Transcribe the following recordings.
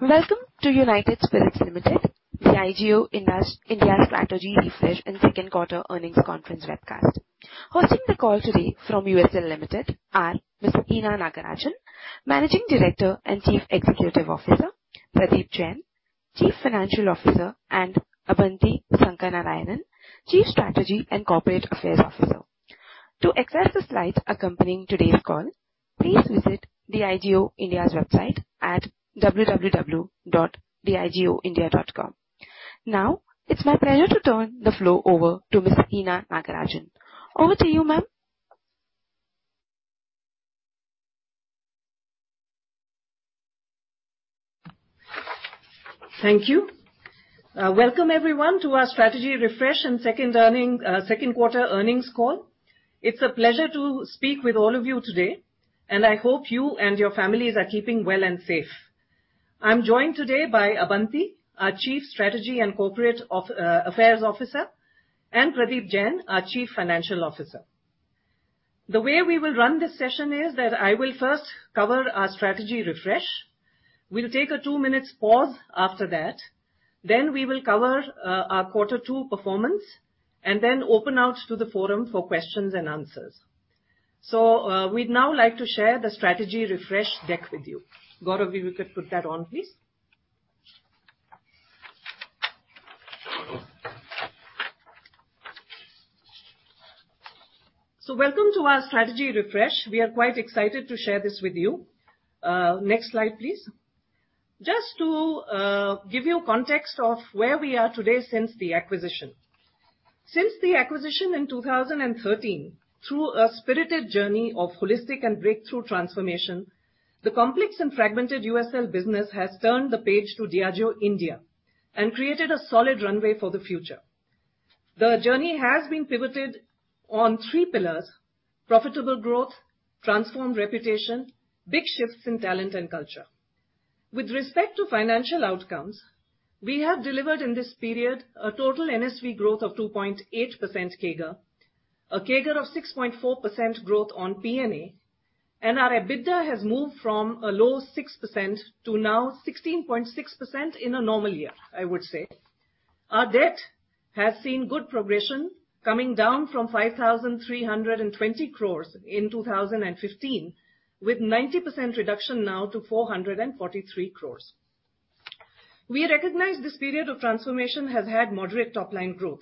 Welcome to United Spirits Limited, the Diageo India's Strategy Refresh and Second Quarter Earnings Conference Webcast. Hosting the call today from USL Limited are Ms. Hina Nagarajan, Managing Director and Chief Executive Officer, Pradeep Jain, Chief Financial Officer, and Abanti Sankaranarayanan, Chief Strategy and Corporate Affairs Officer. To access the slides accompanying today's call, please visit Diageo India's website at www.diageoindia.com. Now, it's my pleasure to turn the floor over to Ms. Hina Nagarajan. Over to you, ma'am. Thank you. Welcome everyone to our Strategy Refresh and Second Quarter Earnings call. It's a pleasure to speak with all of you today, and I hope you and your families are keeping well and safe. I'm joined today by Abanti, our Chief Strategy and Corporate Affairs Officer, and Pradeep Jain, our Chief Financial Officer. The way we will run this session is that I will first cover our strategy refresh. We'll take a two minutes pause after that. Then we will cover our quarter two performance and then open out to the forum for questions and answers. We'd now like to share the strategy refresh deck with you. Gaurav, if you could put that on, please. Welcome to our strategy refresh. We are quite excited to share this with you. Next slide, please. Just to give you context of where we are today since the acquisition. Since the acquisition in 2013, through a spirited journey of holistic and breakthrough transformation, the complex and fragmented USL business has turned the page to Diageo India and created a solid runway for the future. The journey has been pivoted on three pillars, profitable growth, transformed reputation, big shifts in talent and culture. With respect to financial outcomes, we have delivered in this period a total NSV growth of 2.8% CAGR, a CAGR of 6.4% growth on P&A, and our EBITDA has moved from a low 6% to now 16.6% in a normal year, I would say. Our debt has seen good progression coming down from 5,300 crores in 2015, with 90% reduction now to 443 crores. We recognize this period of transformation has had moderate top-line growth,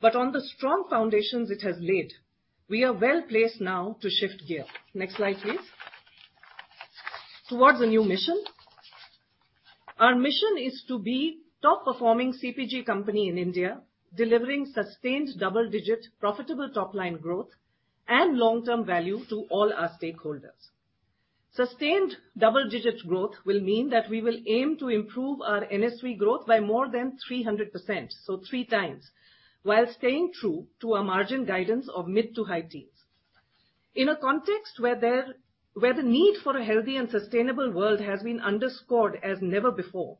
but on the strong foundations it has laid, we are well-placed now to shift gear. Next slide, please. Towards a new mission. Our mission is to be top-performing CPG company in India, delivering sustained double-digit profitable top-line growth and long-term value to all our stakeholders. Sustained double-digit growth will mean that we will aim to improve our NSV growth by more than 300%, so three times, while staying true to our margin guidance of mid- to high-teens. In a context where there. where the need for a healthy and sustainable world has been underscored as never before,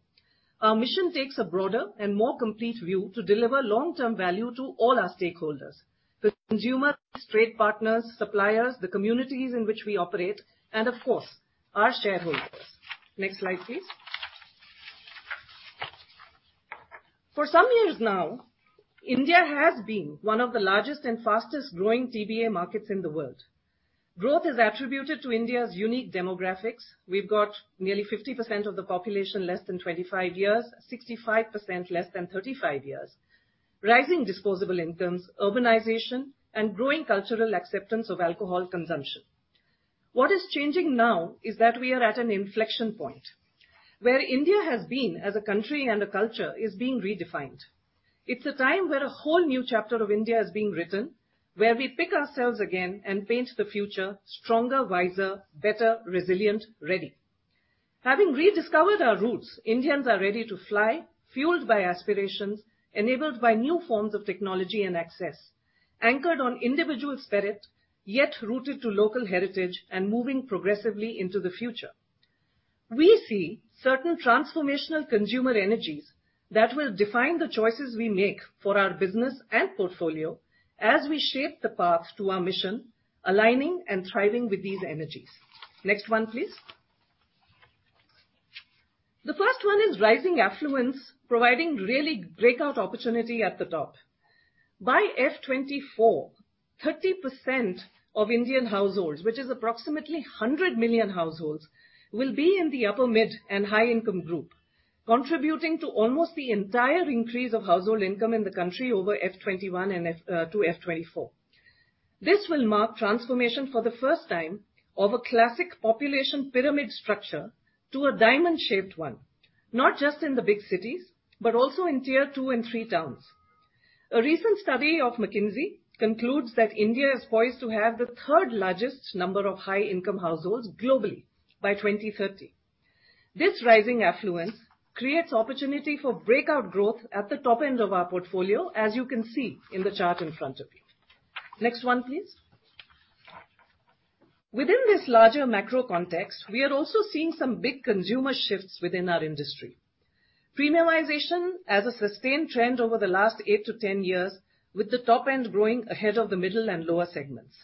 our mission takes a broader and more complete view to deliver long-term value to all our stakeholders, the consumer, trade partners, suppliers, the communities in which we operate, and of course, our shareholders. Next slide, please. For some years now, India has been one of the largest and fastest-growing TBA markets in the world. Growth is attributed to India's unique demographics. We've got nearly 50% of the population less than 25 years, 65% less than 35 years. Rising disposable incomes, urbanization and growing cultural acceptance of alcohol consumption. What is changing now is that we are at an inflection point where India, as a country and a culture, is being redefined. It's a time where a whole new chapter of India is being written, where we pick ourselves again and paint the future stronger, wiser, better, resilient, ready. Having rediscovered our roots, Indians are ready to fly, fueled by aspirations, enabled by new forms of technology and access, anchored on individual spirit, yet rooted to local heritage and moving progressively into the future. We see certain transformational consumer energies that will define the choices we make for our business and portfolio as we shape the path to our mission, aligning and thriving with these energies. Next one, please. The first one is rising affluence, providing really breakout opportunity at the top. By FY 2024, 30% of Indian households, which is approximately 100 million households, will be in the upper, mid, and high-income group, contributing to almost the entire increase of household income in the country over FY 2021 and FY... To FY 2024. This will mark transformation for the first time of a classic population pyramid structure to a diamond-shaped one, not just in the big cities, but also in tier two and three towns. A recent study of McKinsey concludes that India is poised to have the third-largest number of high-income households globally by 2030. This rising affluence creates opportunity for breakout growth at the top end of our portfolio as you can see in the chart in front of you. Next one, please. Within this larger macro context, we are also seeing some big consumer shifts within our industry. Premiumization as a sustained trend over the last eight to 10 years with the top end growing ahead of the middle and lower segments.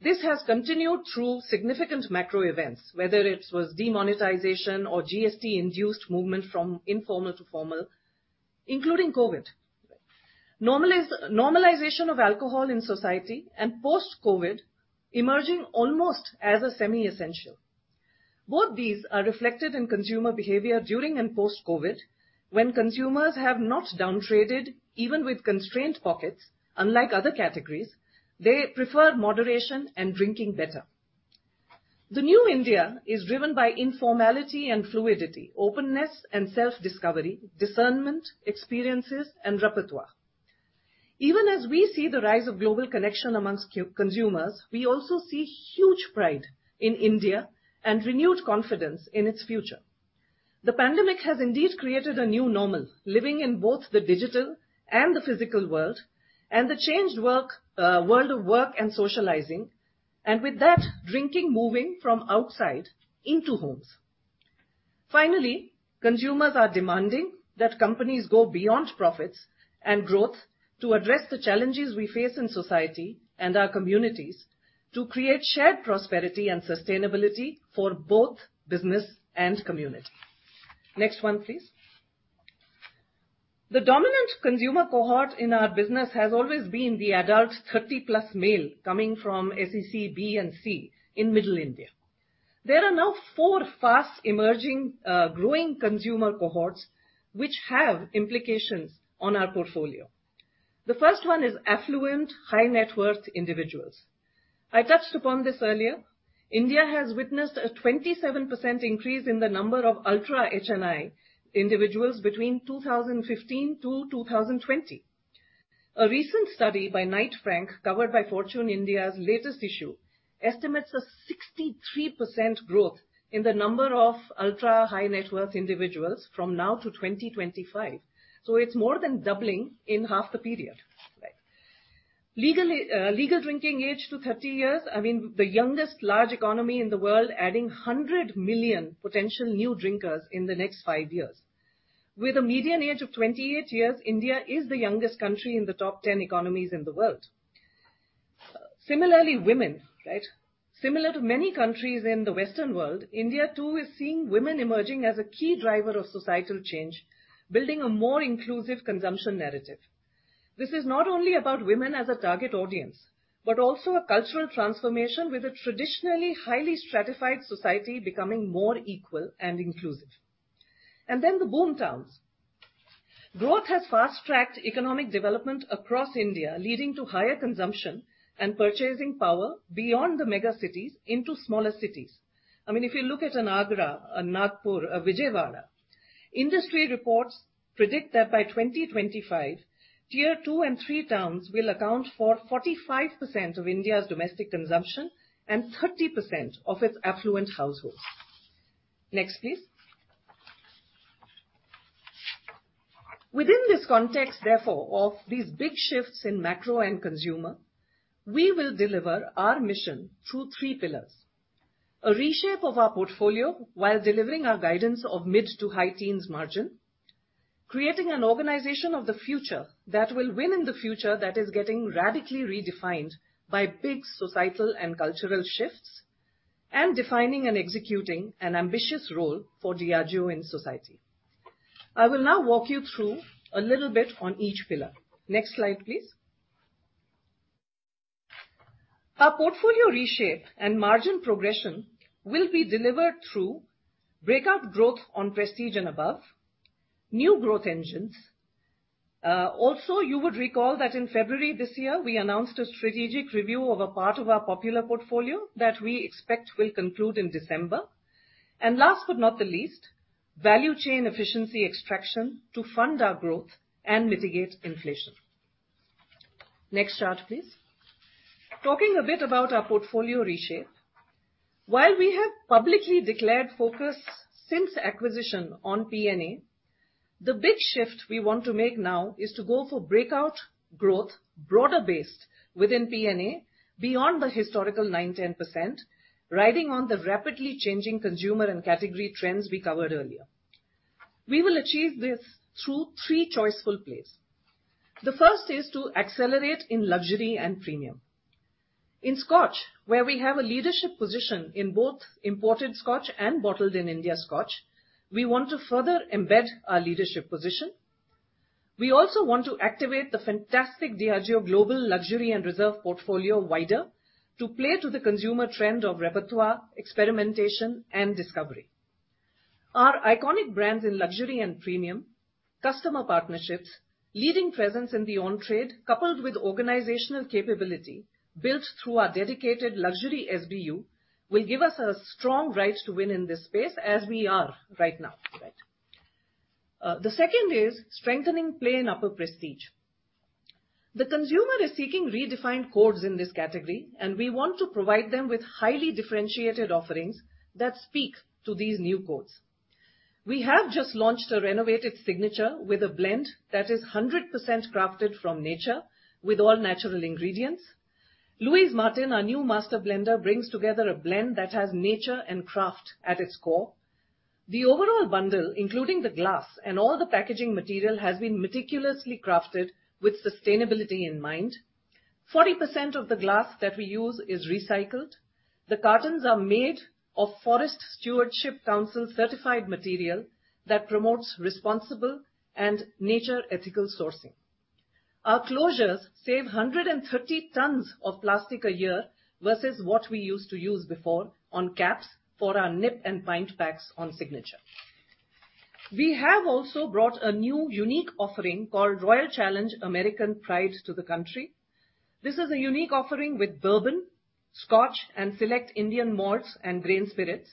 This has continued through significant macro events, whether it was demonetization or GST-induced movement from informal to formal, including COVID. Normalization of alcohol in society and post-COVID emerging almost as a semi-essential. Both these are reflected in consumer behavior during and post-COVID, when consumers have not downtraded, even with constrained pockets. Unlike other categories, they prefer moderation and drinking better. The new India is driven by informality and fluidity, openness and self-discovery, discernment, experiences and repertoire. Even as we see the rise of global connection amongst consumers, we also see huge pride in India and renewed confidence in its future. The pandemic has indeed created a new normal, living in both the digital and the physical world, and the changed world of work and socializing. With that, drinking moving from outside into homes. Finally, consumers are demanding that companies go beyond profits and growth to address the challenges we face in society and our communities to create shared prosperity and sustainability for both business and community. Next one, please. The dominant consumer cohort in our business has always been the adult 30+ male coming from SEC B and C in middle India. There are now four fast emerging, growing consumer cohorts which have implications on our portfolio. The first one is affluent, high net worth individuals. I touched upon this earlier. India has witnessed a 27% increase in the number of ultra-HNI individuals between 2015 to 2020. A recent study by Knight Frank, covered by Fortune India's latest issue, estimates a 63% growth in the number of ultra high net worth individuals from now to 2025. It's more than doubling in half the period. Right. Legal drinking age to 30 years, I mean, the youngest large economy in the world, adding 100 million potential new drinkers in the next five years. With a median age of 28 years, India is the youngest country in the top 10 economies in the world. Similarly, women, right? Similar to many countries in the western world, India too is seeing women emerging as a key driver of societal change, building a more inclusive consumption narrative. This is not only about women as a target audience, but also a cultural transformation with a traditionally highly stratified society becoming more equal and inclusive. The boom towns. Growth has fast-tracked economic development across India, leading to higher consumption and purchasing power beyond the mega cities into smaller cities. I mean, if you look at an Agra, a Nagpur, a Vijayawada. Industry reports predict that by 2025, tier two and three towns will account for 45% of India's domestic consumption and 30% of its affluent households. Next, please. Within this context, therefore, of these big shifts in macro and consumer, we will deliver our mission through three pillars. A reshape of our portfolio while delivering our guidance of mid- to high-teens margin. Creating an organization of the future that will win in the future that is getting radically redefined by big societal and cultural shifts. Defining and executing an ambitious role for Diageo in society. I will now walk you through a little bit on each pillar. Next slide, please. Our portfolio reshape and margin progression will be delivered through breakout growth on Prestige and Above, new growth engines. Also, you would recall that in February this year, we announced a strategic review of a part of our popular portfolio that we expect will conclude in December. Last but not the least, value chain efficiency extraction to fund our growth and mitigate inflation. Next chart, please. Talking a bit about our portfolio reshape. While we have publicly declared focus since acquisition on P&A, the big shift we want to make now is to go for breakout growth, broader-based within P&A, beyond the historical 9%-10%, riding on the rapidly changing consumer and category trends we covered earlier. We will achieve this through three choiceful plays. The first is to accelerate in luxury and premium. In Scotch, where we have a leadership position in both imported Scotch and bottled-in-India Scotch, we want to further embed our leadership position. We also want to activate the fantastic Diageo global luxury and reserve portfolio wider to play to the consumer trend of repertoire, experimentation and discovery. Our iconic brands in luxury and premium, customer partnerships, leading presence in the on trade, coupled with organizational capability built through our dedicated luxury SBU, will give us a strong right to win in this space as we are right now. The second is strengthening play in upper prestige. The consumer is seeking redefined codes in this category, and we want to provide them with highly differentiated offerings that speak to these new codes. We have just launched a renovated Signature with a blend that is 100% crafted from nature with all-natural ingredients. Louise Martin, our new master blender, brings together a blend that has nature and craft at its core. The overall bundle, including the glass and all the packaging material, has been meticulously crafted with sustainability in mind. 40% of the glass that we use is recycled. The cartons are made of Forest Stewardship Council certified material that promotes responsible and nature ethical sourcing. Our closures save 130 tons of plastic a year versus what we used to use before on caps for our nip and pint packs on Signature. We have also brought a new unique offering called Royal Challenge American Pride to the country. This is a unique offering with bourbon, scotch, and select Indian malts and grain spirits,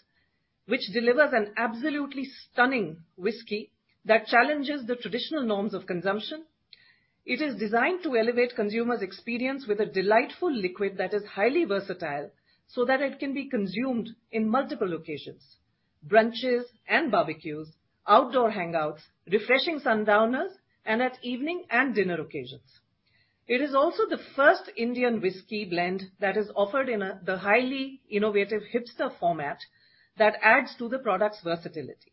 which delivers an absolutely stunning whiskey that challenges the traditional norms of consumption. It is designed to elevate consumers' experience with a delightful liquid that is highly versatile so that it can be consumed in multiple occasions, brunches and barbecues, outdoor hangouts, refreshing sundowners, and at evening and dinner occasions. It is also the first Indian whiskey blend that is offered in the highly innovative Hipster format that adds to the product's versatility.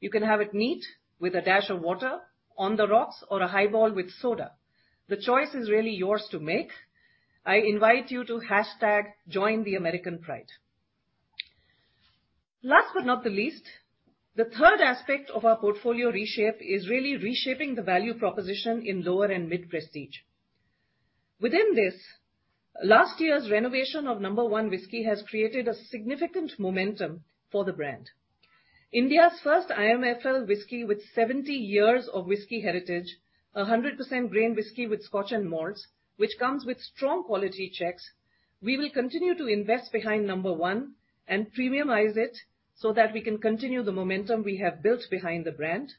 You can have it neat with a dash of water, on the rocks or a highball with soda. The choice is really yours to make. I invite you to hashtag #JoinTheAmericanPride. Last but not the least, the third aspect of our portfolio reshape is really reshaping the value proposition in lower and mid-prestige. Within this, last year's renovation of McDowell's No. 1 Whisky has created a significant momentum for the brand. India's first IMFL whisky with 70 years of whisky heritage, 100% grain whisky with Scotch and malts, which comes with strong quality checks. We will continue to invest behind McDowell's No. 1 and premiumize it so that we can continue the momentum we have built behind the brand.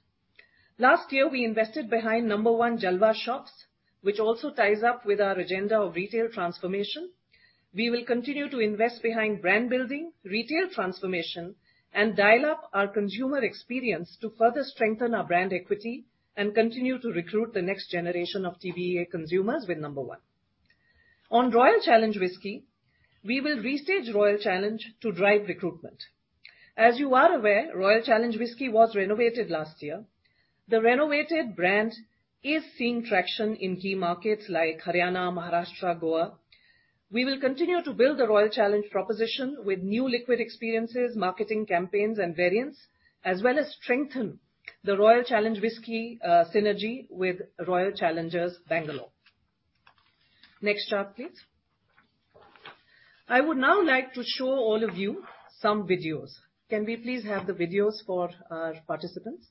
Last year, we invested behind McDowell's No. 1 Jalwa Shops, which also ties up with our agenda of retail transformation. We will continue to invest behind brand building, retail transformation, and dial up our consumer experience to further strengthen our brand equity and continue to recruit the next generation of TBA consumers with No. 1. On Royal Challenge Whiskey, we will restage Royal Challenge to drive recruitment. As you are aware, Royal Challenge Whiskey was renovated last year. The renovated brand is seeing traction in key markets like Haryana, Maharashtra, Goa. We will continue to build the Royal Challenge proposition with new liquid experiences, marketing campaigns, and variants, as well as strengthen the Royal Challenge Whiskey synergy with Royal Challengers Bangalore. Next chart, please. I would now like to show all of you some videos. Can we please have the videos for our participants?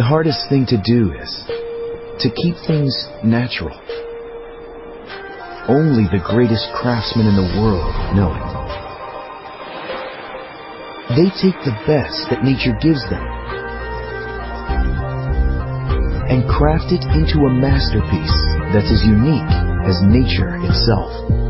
The hardest thing to do is to keep things natural. Only the greatest craftsmen in the world know it. They take the best that nature gives them and craft it into a masterpiece that is unique as nature itself.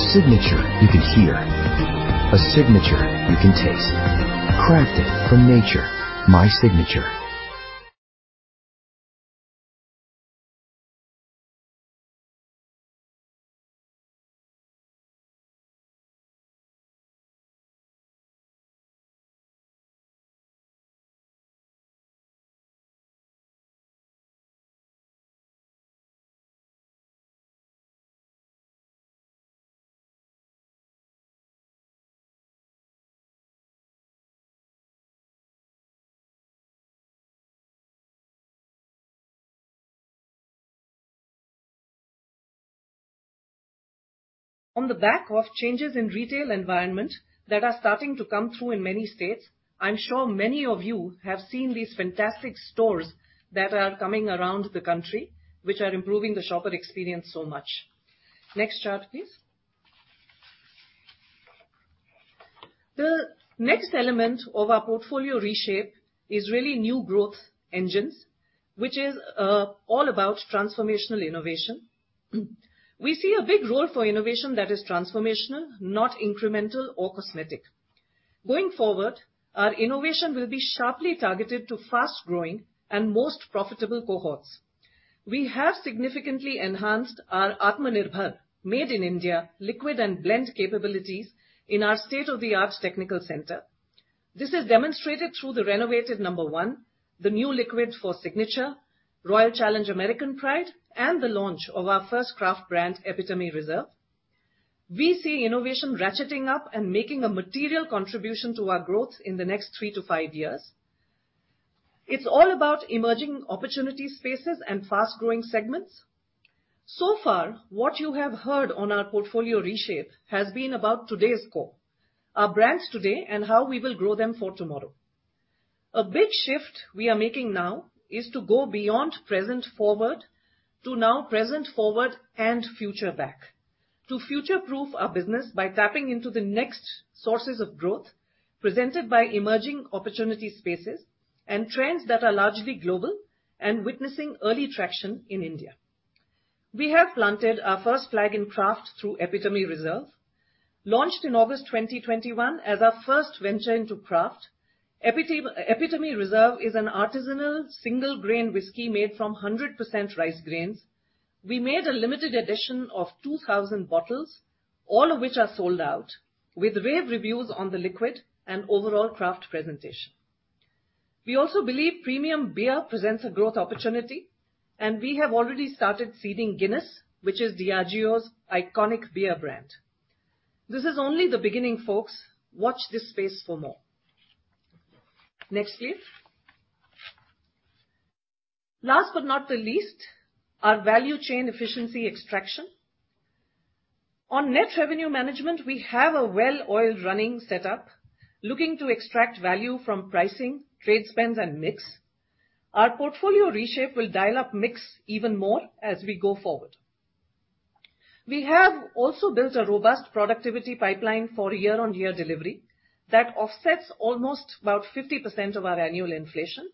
A signature you can hear. A signature you can taste. Crafted from nature. My Signature. On the back of changes in retail environment that are starting to come through in many states, I'm sure many of you have seen these fantastic stores that are coming around the country, which are improving the shopper experience so much. Next chart, please. The next element of our portfolio reshape is really new growth engines, which is all about transformational innovation. We see a big role for innovation that is transformational, not incremental or cosmetic. Going forward, our innovation will be sharply targeted to fast-growing and most profitable cohorts. We have significantly enhanced our Atmanirbhar made in India liquid and blend capabilities in our state-of-the-art technical center. This is demonstrated through the renovated No. 1, the new liquid for Signature, Royal Challenge American Pride, and the launch of our first craft brand, Epitome Reserve. We see innovation ratcheting up and making a material contribution to our growth in the next three to five years. It's all about emerging opportunity spaces and fast-growing segments. What you have heard on our portfolio reshape has been about today's core, our brands today, and how we will grow them for tomorrow. A big shift we are making now is to go beyond present forward to now present forward and future back, to future-proof our business by tapping into the next sources of growth presented by emerging opportunity spaces and trends that are largely global and witnessing early traction in India. We have planted our first flag in craft through Epitome Reserve, launched in August 2021 as our first venture into craft. Epitome Reserve is an artisanal single grain whisky made from 100% rice grains. We made a limited edition of 2,000 bottles, all of which are sold out, with rave reviews on the liquid and overall craft presentation. We also believe premium beer presents a growth opportunity, and we have already started seeding Guinness, which is Diageo's iconic beer brand. This is only the beginning, folks. Watch this space for more. Next please. Last but not the least, our value chain efficiency extraction. On net revenue management, we have a well-oiled running setup looking to extract value from pricing, trade spends, and mix. Our portfolio reshape will dial up mix even more as we go forward. We have also built a robust productivity pipeline for year-on-year delivery that offsets almost about 50% of our annual inflation.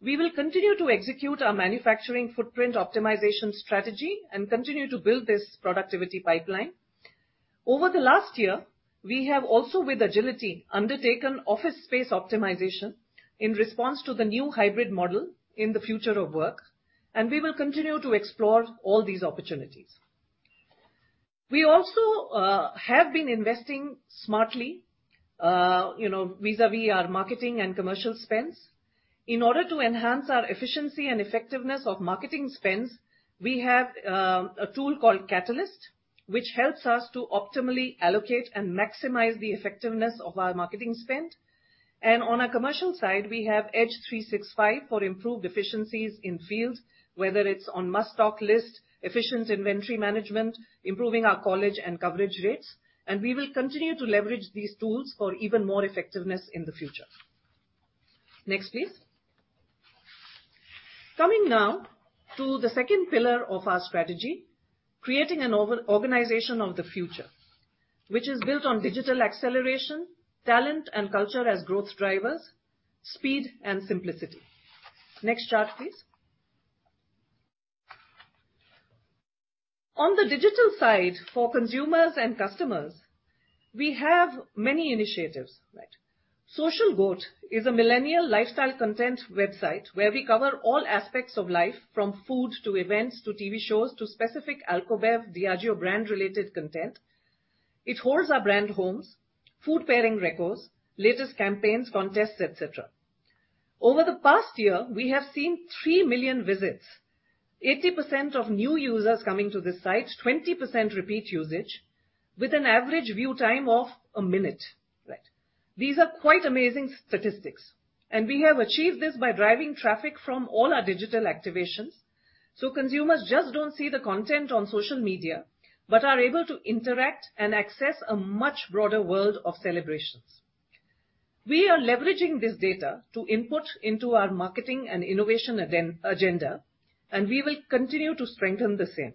We will continue to execute our manufacturing footprint optimization strategy and continue to build this productivity pipeline. Over the last year, we have also, with agility, undertaken office space optimization in response to the new hybrid model in the future of work, and we will continue to explore all these opportunities. We also have been investing smartly, you know, vis-a-vis our marketing and commercial spends. In order to enhance our efficiency and effectiveness of marketing spends, we have a tool called Catalyst, which helps us to optimally allocate and maximize the effectiveness of our marketing spend. On our commercial side, we have Edge 365 for improved efficiencies in fields, whether it's on must-stock list, efficient inventory management, improving our college and coverage rates, and we will continue to leverage these tools for even more effectiveness in the future. Next, please. Coming now to the second pillar of our strategy, creating an organization of the future, which is built on digital acceleration, talent and culture as growth drivers, speed and simplicity. Next chart, please. On the digital side for consumers and customers, we have many initiatives. Right. Social GOAT is a millennial lifestyle content website where we cover all aspects of life from food to events to TV shows to specific Alcobev Diageo brand-related content. It holds our brand homes, food pairing records, latest campaigns, contests, et cetera. Over the past year, we have seen 3 million visits. 80% of new users coming to this site, 20% repeat usage with an average view time of a minute. Right. These are quite amazing statistics, and we have achieved this by driving traffic from all our digital activations. Consumers just don't see the content on social media, but are able to interact and access a much broader world of celebrations. We are leveraging this data to input into our marketing and innovation agenda, and we will continue to strengthen the same.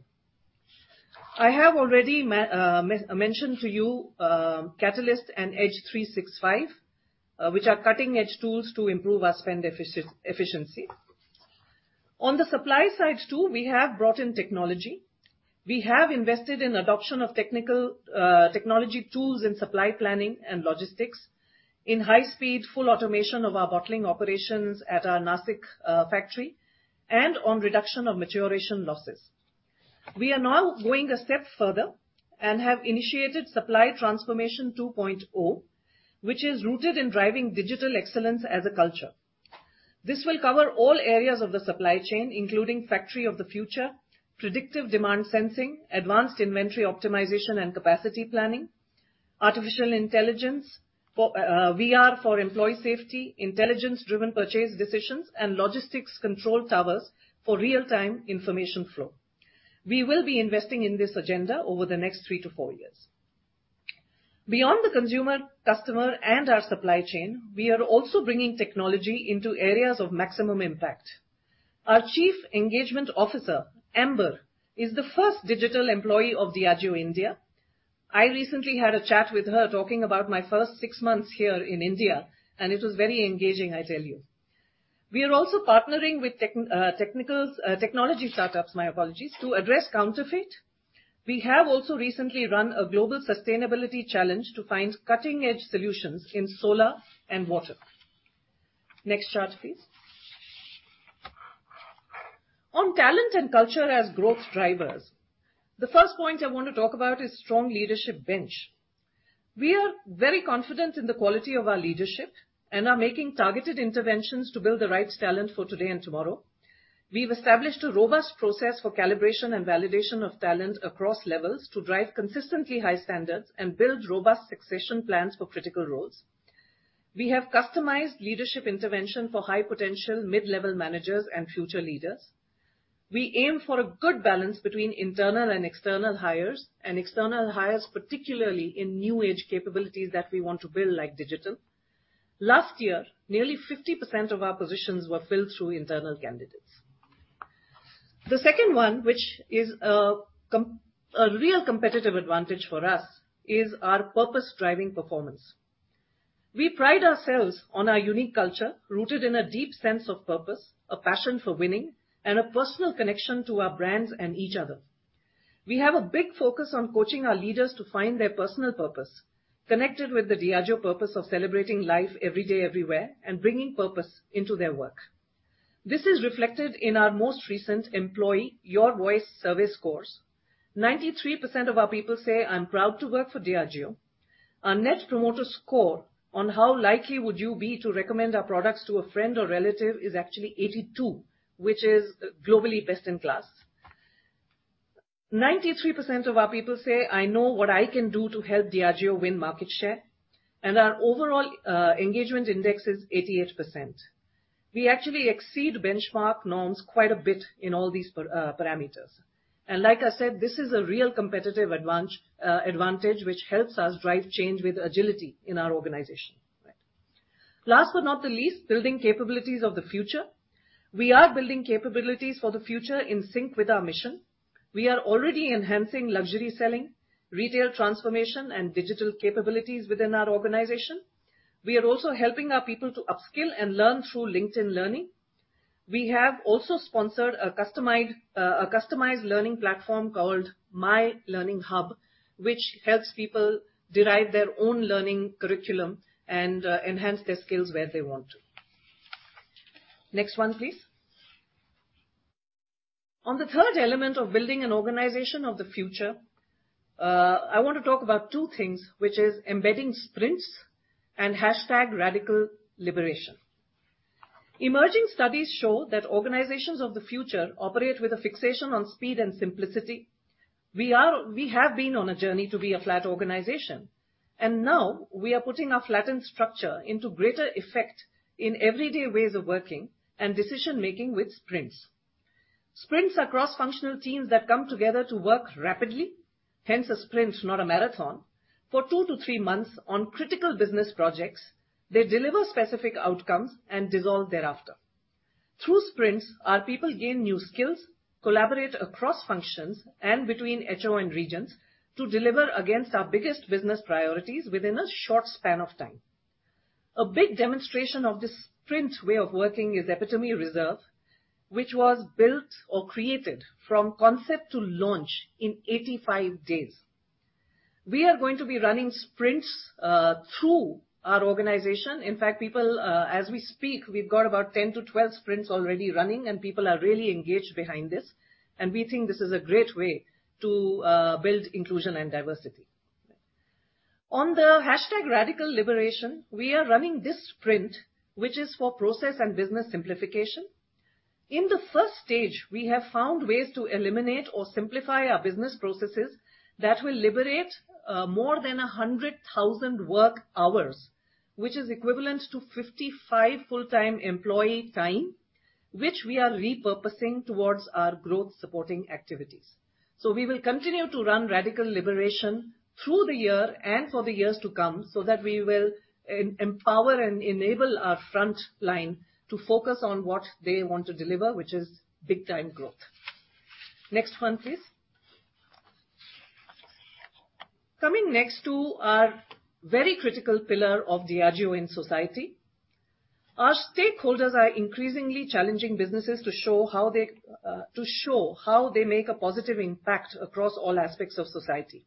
I have already mentioned to you Catalyst and Edge 365, which are cutting-edge tools to improve our spend efficiency. On the supply side too, we have brought in technology. We have invested in adoption of technical technology tools in supply planning and logistics, in high speed full automation of our bottling operations at our Nashik factory, and on reduction of maturation losses. We are now going a step further and have initiated Supply Transformation 2.0, which is rooted in driving digital excellence as a culture. This will cover all areas of the supply chain, including factory of the future, predictive demand sensing, advanced inventory optimization and capacity planning, artificial intelligence, for VR for employee safety, intelligence-driven purchase decisions, and logistics control towers for real-time information flow. We will be investing in this agenda over the next three to four years. Beyond the consumer, customer, and our supply chain, we are also bringing technology into areas of maximum impact. Our chief engagement officer, Amber, is the first digital employee of Diageo India. I recently had a chat with her talking about my first six months here in India, and it was very engaging, I tell you. We are also partnering with technology startups, my apologies, to address counterfeit. We have also recently run a global sustainability challenge to find cutting-edge solutions in solar and water. Next chart, please. On talent and culture as growth drivers. The first point I want to talk about is strong leadership bench. We are very confident in the quality of our leadership and are making targeted interventions to build the right talent for today and tomorrow. We've established a robust process for calibration and validation of talent across levels to drive consistently high standards and build robust succession plans for critical roles. We have customized leadership intervention for high potential mid-level managers and future leaders. We aim for a good balance between internal and external hires, and external hires, particularly in new age capabilities that we want to build, like digital. Last year, nearly 50% of our positions were filled through internal candidates. The second one, which is a real competitive advantage for us, is our purpose driving performance. We pride ourselves on our unique culture rooted in a deep sense of purpose, a passion for winning, and a personal connection to our brands and each other. We have a big focus on coaching our leaders to find their personal purpose, connected with the Diageo purpose of celebrating life every day, everywhere, and bringing purpose into their work. This is reflected in our most recent employee Your Voice survey scores. 93% of our people say, "I'm proud to work for Diageo." Our net promoter score on how likely would you be to recommend our products to a friend or relative is actually 82, which is globally best in class. 93% of our people say, "I know what I can do to help Diageo win market share," and our overall engagement index is 88%. We actually exceed benchmark norms quite a bit in all these parameters. Like I said, this is a real competitive advantage which helps us drive change with agility in our organization. Last but not the least, building capabilities of the future. We are building capabilities for the future in sync with our mission. We are already enhancing luxury selling, retail transformation, and digital capabilities within our organization. We are also helping our people to upskill and learn through LinkedIn Learning. We have also sponsored a customized learning platform called My Learning Hub, which helps people derive their own learning curriculum and enhance their skills where they want to. Next one, please. On the third element of building an organization of the future, I want to talk about two things, which is embedding sprints and hashtag radical liberation. Emerging studies show that organizations of the future operate with a fixation on speed and simplicity. We have been on a journey to be a flat organization, and now we are putting our flattened structure into greater effect in everyday ways of working and decision-making with sprints. Sprints are cross-functional teams that come together to work rapidly, hence a sprint, not a marathon, for two to three months on critical business projects. They deliver specific outcomes and dissolve thereafter. Through sprints, our people gain new skills, collaborate across functions and between HO and regions to deliver against our biggest business priorities within a short span of time. A big demonstration of this sprint way of working is Epitome Reserve, which was built or created from concept to launch in 85 days. We are going to be running sprints through our organization. In fact, people, as we speak, we've got about 10-12 sprints already running and people are really engaged behind this, and we think this is a great way to build inclusion and diversity. On the hashtag radical liberation, we are running this sprint, which is for process and business simplification. In the first stage, we have found ways to eliminate or simplify our business processes that will liberate more than 100,000 work hours, which is equivalent to 55 full-time employee time, which we are repurposing towards our growth supporting activities. We will continue to run radical liberation through the year and for the years to come so that we will empower and enable our front line to focus on what they want to deliver, which is big time growth. Next one, please. Coming next to our very critical pillar of Diageo in society. Our stakeholders are increasingly challenging businesses to show how they make a positive impact across all aspects of society.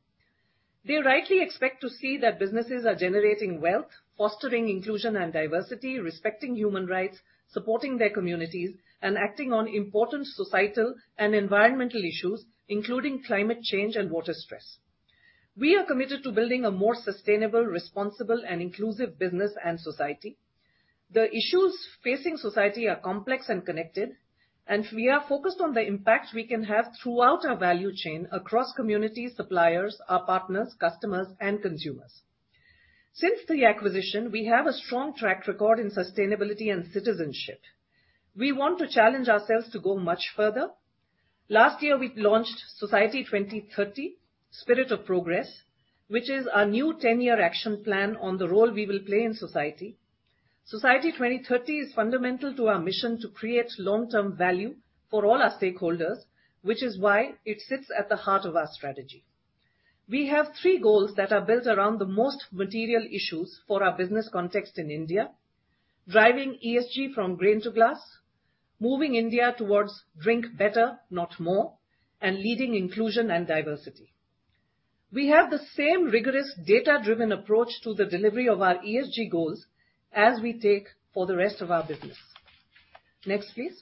They rightly expect to see that businesses are generating wealth, fostering inclusion and diversity, respecting human rights, supporting their communities, and acting on important societal and environmental issues, including climate change and water stress. We are committed to building a more sustainable, responsible, and inclusive business and society. The issues facing society are complex and connected, and we are focused on the impact we can have throughout our value chain across communities, suppliers, our partners, customers, and consumers. Since the acquisition, we have a strong track record in sustainability and citizenship. We want to challenge ourselves to go much further. Last year, we launched Society 2030, Spirit of Progress, which is our new ten-year action plan on the role we will play in society. Society 2030 is fundamental to our mission to create long-term value for all our stakeholders, which is why it sits at the heart of our strategy. We have three goals that are built around the most material issues for our business context in India. Driving ESG from grain to glass, moving India towards drink better, not more, and leading inclusion and diversity. We have the same rigorous data-driven approach to the delivery of our ESG goals as we take for the rest of our business. Next, please.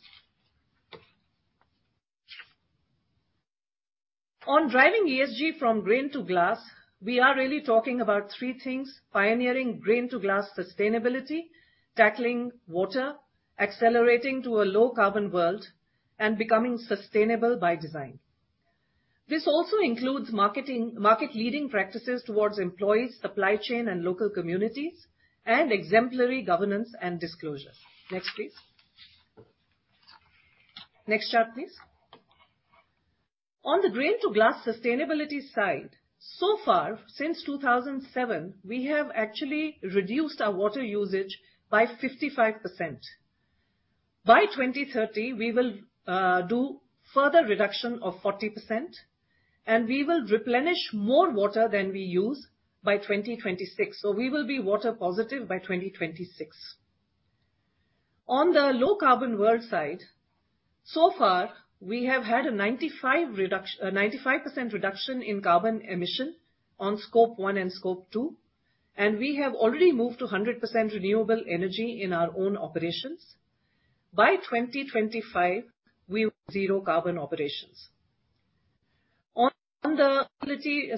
On driving ESG from grain to glass, we are really talking about three things. Pioneering grain to glass sustainability, tackling water, accelerating to a low carbon world, and becoming sustainable by design. This also includes marketing, market-leading practices towards employees, supply chain, and local communities, and exemplary governance and disclosure. Next, please. Next chart, please. On the grain to glass sustainability side, so far, since 2007, we have actually reduced our water usage by 55%. By 2030, we will do further reduction of 40%, and we will replenish more water than we use by 2026. We will be water positive by 2026. On the low-carbon world side, so far we have had a 95% reduction in carbon emission on Scope 1 and Scope 2, and we have already moved to 100% renewable energy in our own operations. By 2025, we're zero-carbon operations. On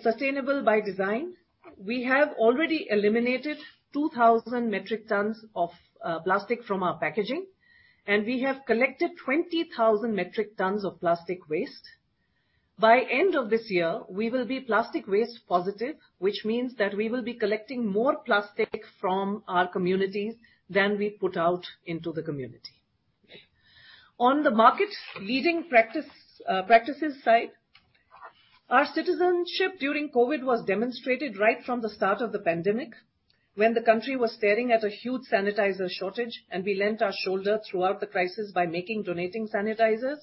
sustainable by design, we have already eliminated 2,000 metric tons of plastic from our packaging, and we have collected 20,000 metric tons of plastic waste. By the end of this year, we will be plastic waste positive, which means that we will be collecting more plastic from our communities than we put out into the community. On the market-leading practices side, our citizenship during COVID was demonstrated right from the start of the pandemic when the country was staring at a huge sanitizer shortage, and we lent our shoulder throughout the crisis by donating sanitizers,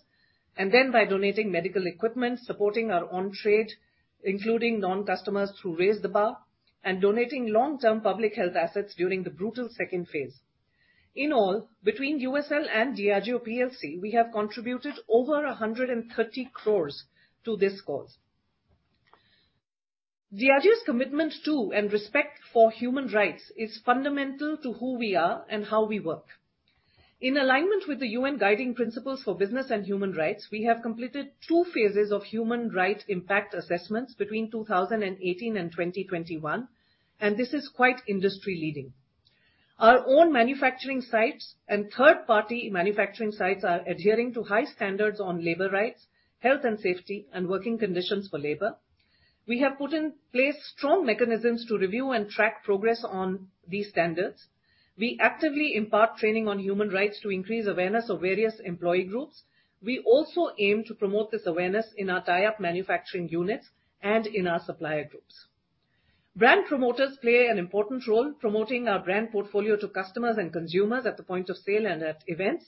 and then by donating medical equipment, supporting our on-trade, including non-customers through Raising the Bar and donating long-term public health assets during the brutal second phase. In all, between USL and Diageo plc, we have contributed over 130 crore to this cause. Diageo's commitment to and respect for human rights is fundamental to who we are and how we work. In alignment with the UN Guiding Principles for Business and Human Rights, we have completed two phases of human rights impact assessments between 2018 and 2021, and this is quite industry-leading. Our own manufacturing sites and third-party manufacturing sites are adhering to high standards on labor rights, health and safety, and working conditions for labor. We have put in place strong mechanisms to review and track progress on these standards. We actively impart training on human rights to increase awareness of various employee groups. We also aim to promote this awareness in our tie up manufacturing units and in our supplier groups. Brand promoters play an important role promoting our brand portfolio to customers and consumers at the point of sale and at events.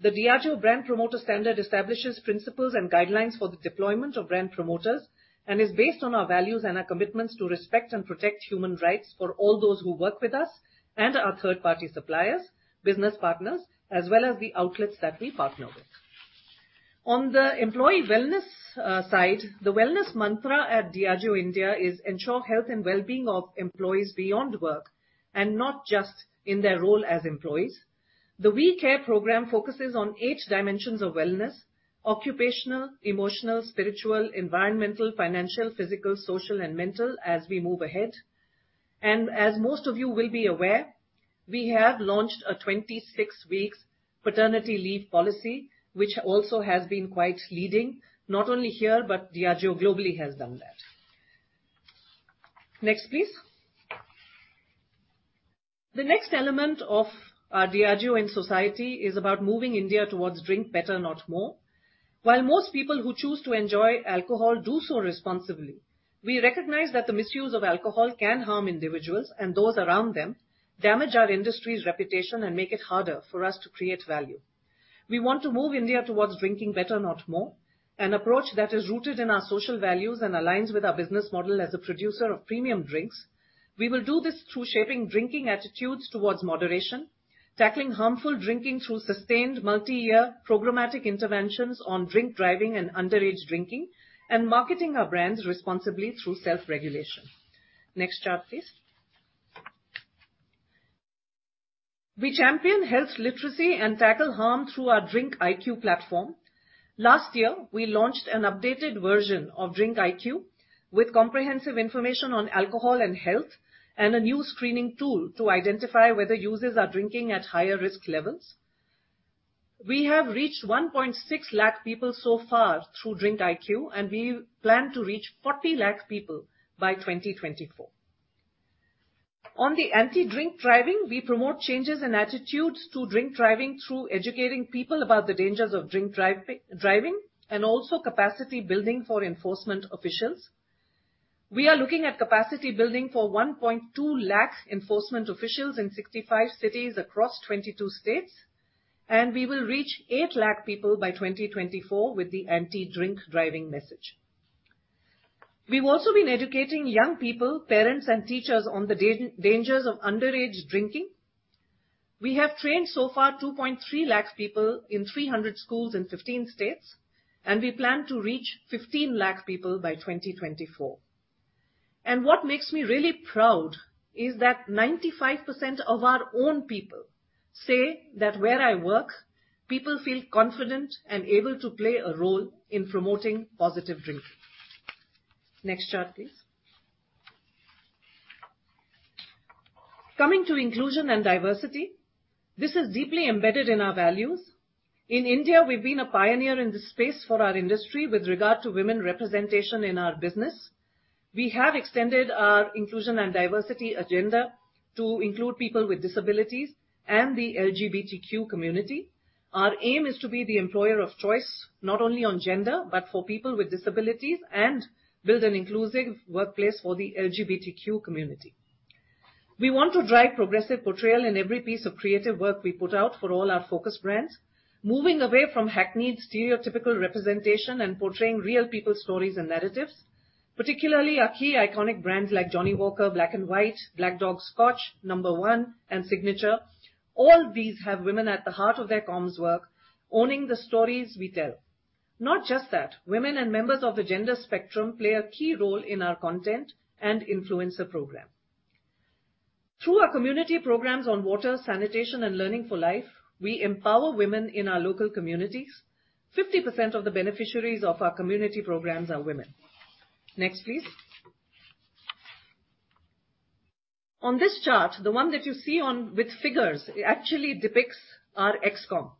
The Diageo Brand Promoter Standard establishes principles and guidelines for the deployment of brand promoters and is based on our values and our commitments to respect and protect human rights for all those who work with us and our third-party suppliers, business partners, as well as the outlets that we partner with. On the employee wellness side, the wellness mantra at Diageo India is ensure health and well-being of employees beyond work, and not just in their role as employees. The We Care program focuses on eight dimensions of wellness occupational, emotional, spiritual, environmental, financial, physical, social, and mental as we move ahead. As most of you will be aware, we have launched a 26 weeks paternity leave policy, which also has been quite leading, not only here, but Diageo globally has done that. Next, please. The next element of our Diageo in Society is about moving India towards drinking better, not more. While most people who choose to enjoy alcohol do so responsibly, we recognize that the misuse of alcohol can harm individuals and those around them, damage our industry's reputation and make it harder for us to create value. We want to move India towards drinking better, not more, an approach that is rooted in our social values and aligns with our business model as a producer of premium drinks. We will do this through shaping drinking attitudes towards moderation, tackling harmful drinking through sustained multi-year programmatic interventions on drink driving and underage drinking, and marketing our brands responsibly through self-regulation. Next chart, please. We champion health literacy and tackle harm through our DRINKiQ platform. Last year, we launched an updated version of DRINKiQ with comprehensive information on alcohol and health, and a new screening tool to identify whether users are drinking at higher risk levels. We have reached 1.6 lakh people so far through DRINKiQ, and we plan to reach 40 lakh people by 2024. On the anti-drink driving, we promote changes in attitudes to drink driving through educating people about the dangers of drink driving and also capacity building for enforcement officials. We are looking at capacity building for 1.2 lakh enforcement officials in 65 cities across 22 states, and we will reach 8 lakh people by 2024 with the anti-drink driving message. We've also been educating young people, parents, and teachers on the dangers of underage drinking. We have trained so far 2.3 lakh people in 300 schools in 15 states, and we plan to reach 15 lakh people by 2024. What makes me really proud is that 95% of our own people say that where I work, people feel confident and able to play a role in promoting positive drinking. Next chart, please. Coming to inclusion and diversity, this is deeply embedded in our values. In India, we've been a pioneer in this space for our industry with regard to women representation in our business. We have extended our inclusion and diversity agenda to include people with disabilities and the LGBTQ community. Our aim is to be the employer of choice, not only on gender, but for people with disabilities, and build an inclusive workplace for the LGBTQ community. We want to drive progressive portrayal in every piece of creative work we put out for all our focus brands. Moving away from hackneyed stereotypical representation and portraying real people's stories and narratives, particularly our key iconic brands like Johnnie Walker, Black & White, Black Dog Scotch, McDowell's No. 1 and Signature. All these have women at the heart of their comms work owning the stories we tell. Not just that, women and members of the gender spectrum play a key role in our content and influencer program. Through our community programs on water, sanitation, and learning for life, we empower women in our local communities. 50% of the beneficiaries of our community programs are women. Next, please. On this chart, the one that you see on with figures, it actually depicts our ExCom.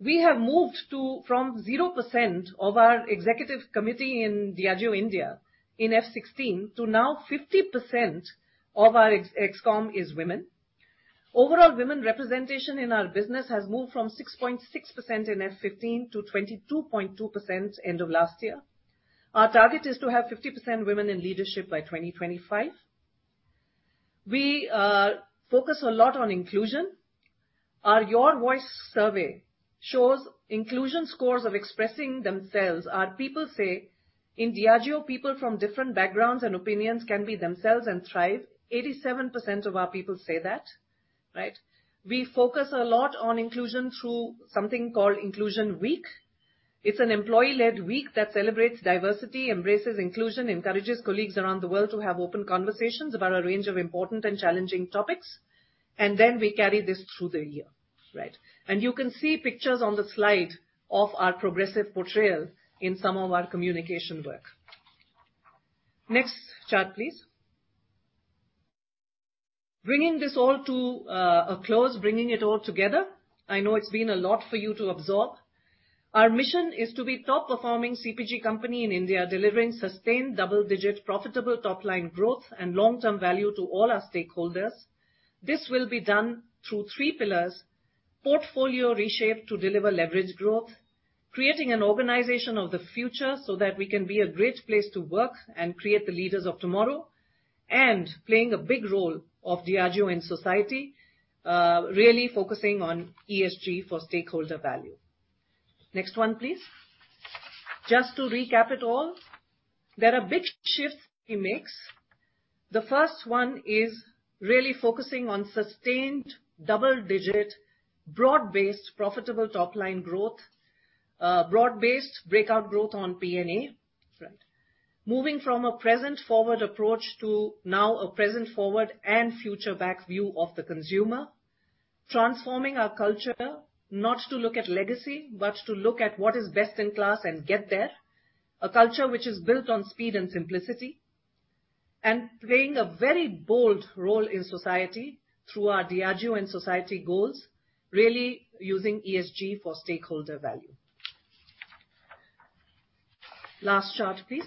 We have moved to from 0% of our executive committee in Diageo India in FY 2016 to now 50% of our ExCom is women. Overall, women representation in our business has moved from 6.6% in FY 2015 to 22.2% end of last year. Our target is to have 50% women in leadership by 2025. We focus a lot on inclusion. Our Your Voice survey shows inclusion scores of expressing themselves. Our people say, "In Diageo, people from different backgrounds and opinions can be themselves and thrive." 87% of our people say that, right? We focus a lot on inclusion through something called Inclusion Week. It's an employee-led week that celebrates diversity, embraces inclusion, encourages colleagues around the world to have open conversations about a range of important and challenging topics, and then we carry this through the year, right? You can see pictures on the slide of our progressive portrayal in some of our communication work. Next chart, please. Bringing this all to a close, bringing it all together. I know it's been a lot for you to absorb. Our mission is to be top-performing CPG company in India, delivering sustained double-digit profitable top-line growth and long-term value to all our stakeholders. This will be done through three pillars: portfolio reshaped to deliver leveraged growth, creating an organization of the future so that we can be a great place to work and create the leaders of tomorrow, and playing a big role of Diageo in society, really focusing on ESG for stakeholder value. Next one, please. Just to recap it all, there are big shifts we make. The first one is really focusing on sustained double-digit, broad-based profitable top-line growth, broad-based breakout growth on P&A front. Moving from a present-forward approach to now a present-forward and future-back view of the consumer. Transforming our culture, not to look at legacy, but to look at what is best in class and get there. A culture which is built on speed and simplicity, and playing a very bold role in society through our Diageo in Society goals, really using ESG for stakeholder value. Last chart, please.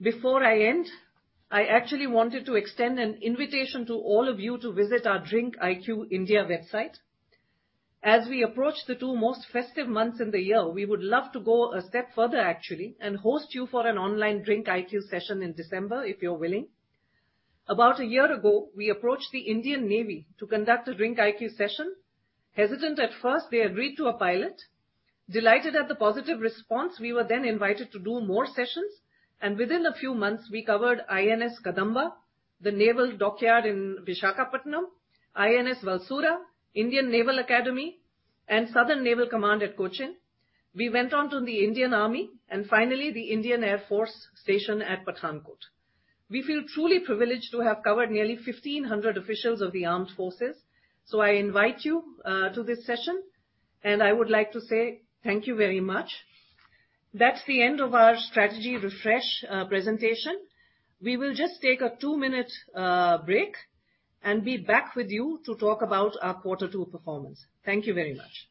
Before I end, I actually wanted to extend an invitation to all of you to visit our DRINKiQ India website. As we approach the two most festive months in the year, we would love to go a step further, actually, and host you for an online DRINKiQ session in December, if you're willing. About a year ago, we approached the Indian Navy to conduct a DRINKiQ session. Hesitant at first, they agreed to a pilot. Delighted at the positive response, we were then invited to do more sessions, and within a few months, we covered INS Kadamba, the Naval Dockyard in Visakhapatnam, INS Valsura, Indian Naval Academy, and Southern Naval Command at Kochi. We went on to the Indian Army, and finally, the Indian Air Force station at Pathankot. We feel truly privileged to have covered nearly 1,500 officials of the Armed Forces. I invite you to this session, and I would like to say thank you very much. That's the end of our strategy refresh presentation. We will just take a two-minute break and be back with you to talk about our quarter two performance. Thank you very much.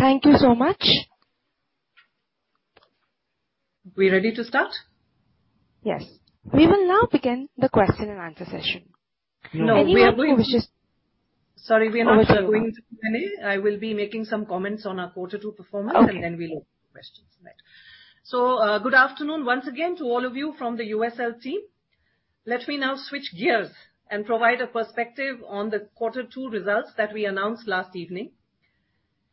Thank you so much. We ready to start? Yes. We will now begin the question and answer session. No, we are going. Any questions? Sorry, we are not going to Q&A. I will be making some comments on our quarter two performance. Okay. Then we'll open for questions. Good afternoon once again to all of you from the USL team. Let me now switch gears and provide a perspective on the quarter two results that we announced last evening.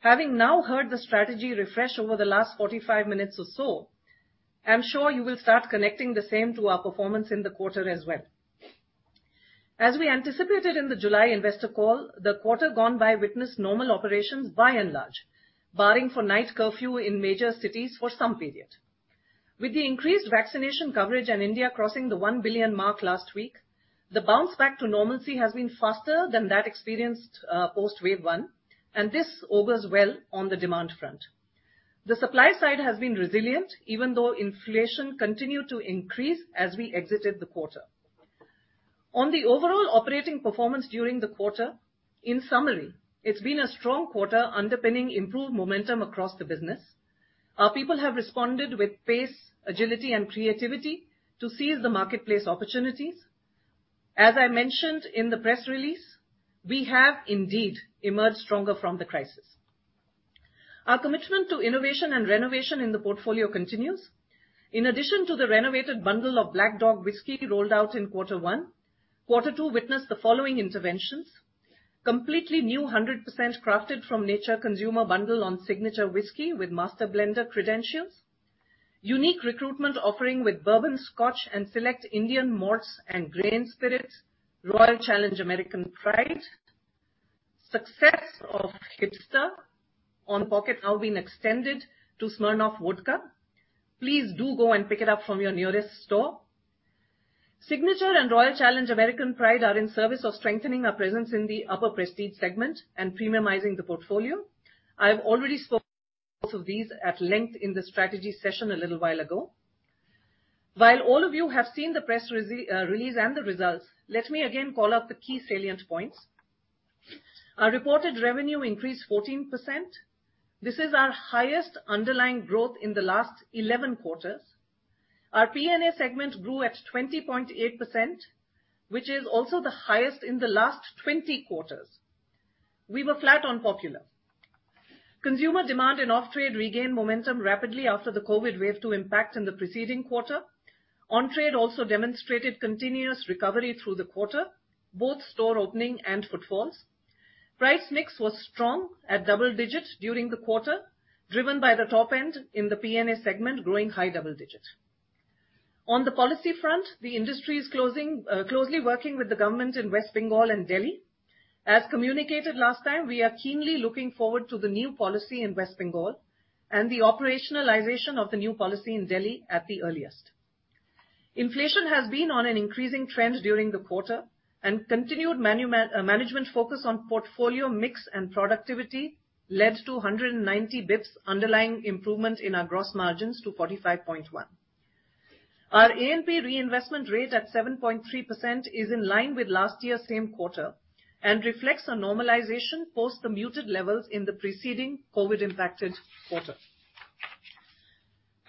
Having now heard the strategy refresh over the last 45 minutes or so, I'm sure you will start connecting the same to our performance in the quarter as well. As we anticipated in the July investor call, the quarter gone by witnessed normal operations by and large, barring for night curfew in major cities for some period. With the increased vaccination coverage and India crossing the 1 billion mark last week, the bounce back to normalcy has been faster than that experienced, post wave one, and this augurs well on the demand front. The supply side has been resilient, even though inflation continued to increase as we exited the quarter. On the overall operating performance during the quarter, in summary, it's been a strong quarter underpinning improved momentum across the business. Our people have responded with pace, agility and creativity to seize the marketplace opportunities. As I mentioned in the press release, we have indeed emerged stronger from the crisis. Our commitment to innovation and renovation in the portfolio continues. In addition to the renovated bundle of Black Dog Whisky rolled out in quarter one, quarter two witnessed the following interventions. Completely new 100% crafted from nature consumer bundle on Signature Whisky with master blender credentials. Unique recruitment offering with Bourbon, Scotch and select Indian malts and grain spirits, Royal Challenge American Pride. Success of Hipster on pocket now been extended to Smirnoff Vodka. Please do go and pick it up from your nearest store. Signature and Royal Challenge American Pride are in service of strengthening our presence in the upper prestige segment and premiumizing the portfolio. I've already spoken about both of these at length in the strategy session a little while ago. While all of you have seen the press release and the results, let me again call out the key salient points. Our reported revenue increased 14%. This is our highest underlying growth in the last 11 quarters. Our P&A segment grew at 20.8%, which is also the highest in the last 20 quarters. We were flat on Popular. Consumer demand in off-trade regained momentum rapidly after the COVID wave two impact in the preceding quarter. On-trade also demonstrated continuous recovery through the quarter, both store opening and footfalls. Price mix was strong at double digits during the quarter, driven by the top end in the P&A segment, growing high double digits. On the policy front, the industry is closely working with the government in West Bengal and Delhi. As communicated last time, we are keenly looking forward to the new policy in West Bengal and the operationalization of the new policy in Delhi at the earliest. Inflation has been on an increasing trend during the quarter, and continued management focus on portfolio mix and productivity led to a 190 basis points underlying improvement in our gross margins to 45.1%. Our A&P reinvestment rate at 7.3% is in line with last year same quarter, and reflects a normalization post the muted levels in the preceding COVID-impacted quarter.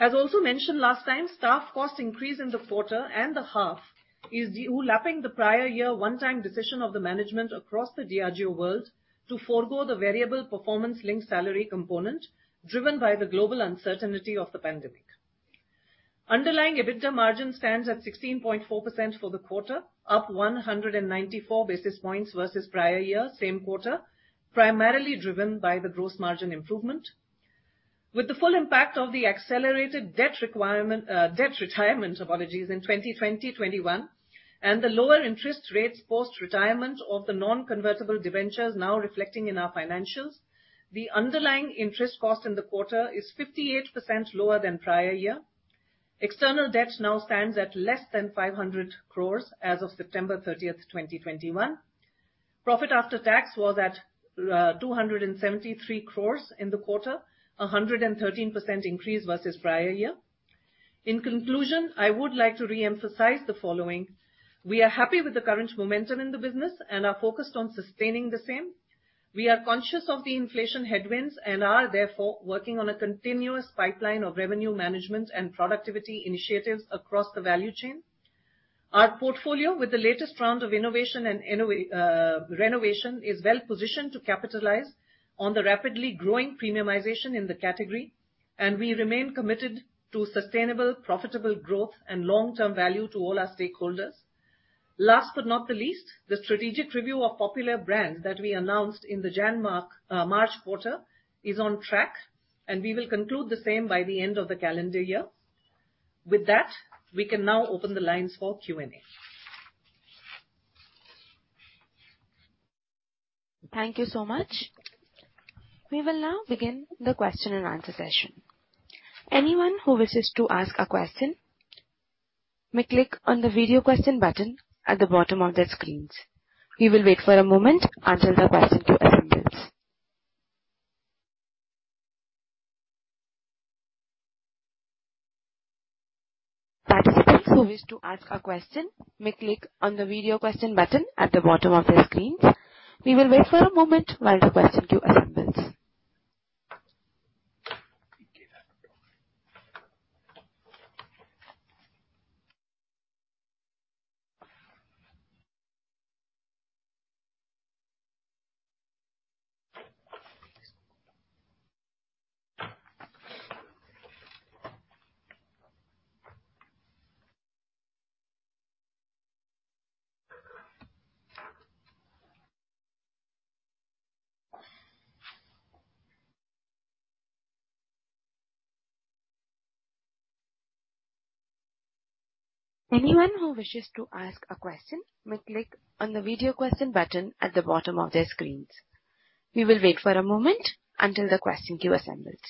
As also mentioned last time, staff cost increase in the quarter and the half is de-overlapping the prior year one-time decision of the management across the Diageo world to forgo the variable performance-linked salary component driven by the global uncertainty of the pandemic. Underlying EBITDA margin stands at 16.4% for the quarter, up 194 basis points versus prior year same quarter, primarily driven by the gross margin improvement. With the full impact of the accelerated debt retirement in 2021, and the lower interest rates post-retirement of the non-convertible debentures now reflecting in our financials, the underlying interest cost in the quarter is 58% lower than prior year. External debt now stands at less than 500 crores as of September 30, 2021. Profit after tax was at 273 crores in the quarter, a 113% increase versus prior year. In conclusion, I would like to reemphasize the following. We are happy with the current momentum in the business and are focused on sustaining the same. We are conscious of the inflation headwinds and are therefore working on a continuous pipeline of revenue management and productivity initiatives across the value chain. Our portfolio with the latest round of innovation and renovation is well-positioned to capitalize on the rapidly growing premiumization in the category. We remain committed to sustainable, profitable growth and long-term value to all our stakeholders. Last but not the least, the strategic review of popular brands that we announced in the Jan-Mar, March quarter is on track, and we will conclude the same by the end of the calendar year. With that, we can now open the lines for Q&A. Thank you so much. We will now begin the question and answer session. Anyone who wishes to ask a question may click on the video question button at the bottom of their screens. We will wait for a moment until the question queue assembles. Participants who wish to ask a question may click on the video question button at the bottom of their screens. We will wait for a moment while the question queue assembles. Anyone who wishes to ask a question may click on the video question button at the bottom of their screens. We will wait for a moment until the question queue assembles.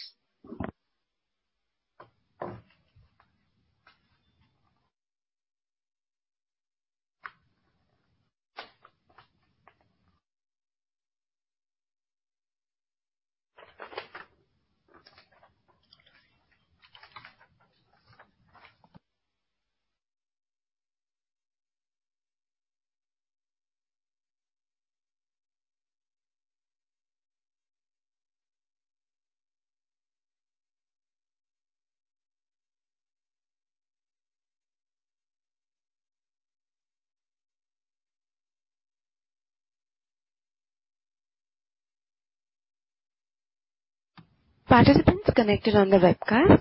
Participants connected on the webcast,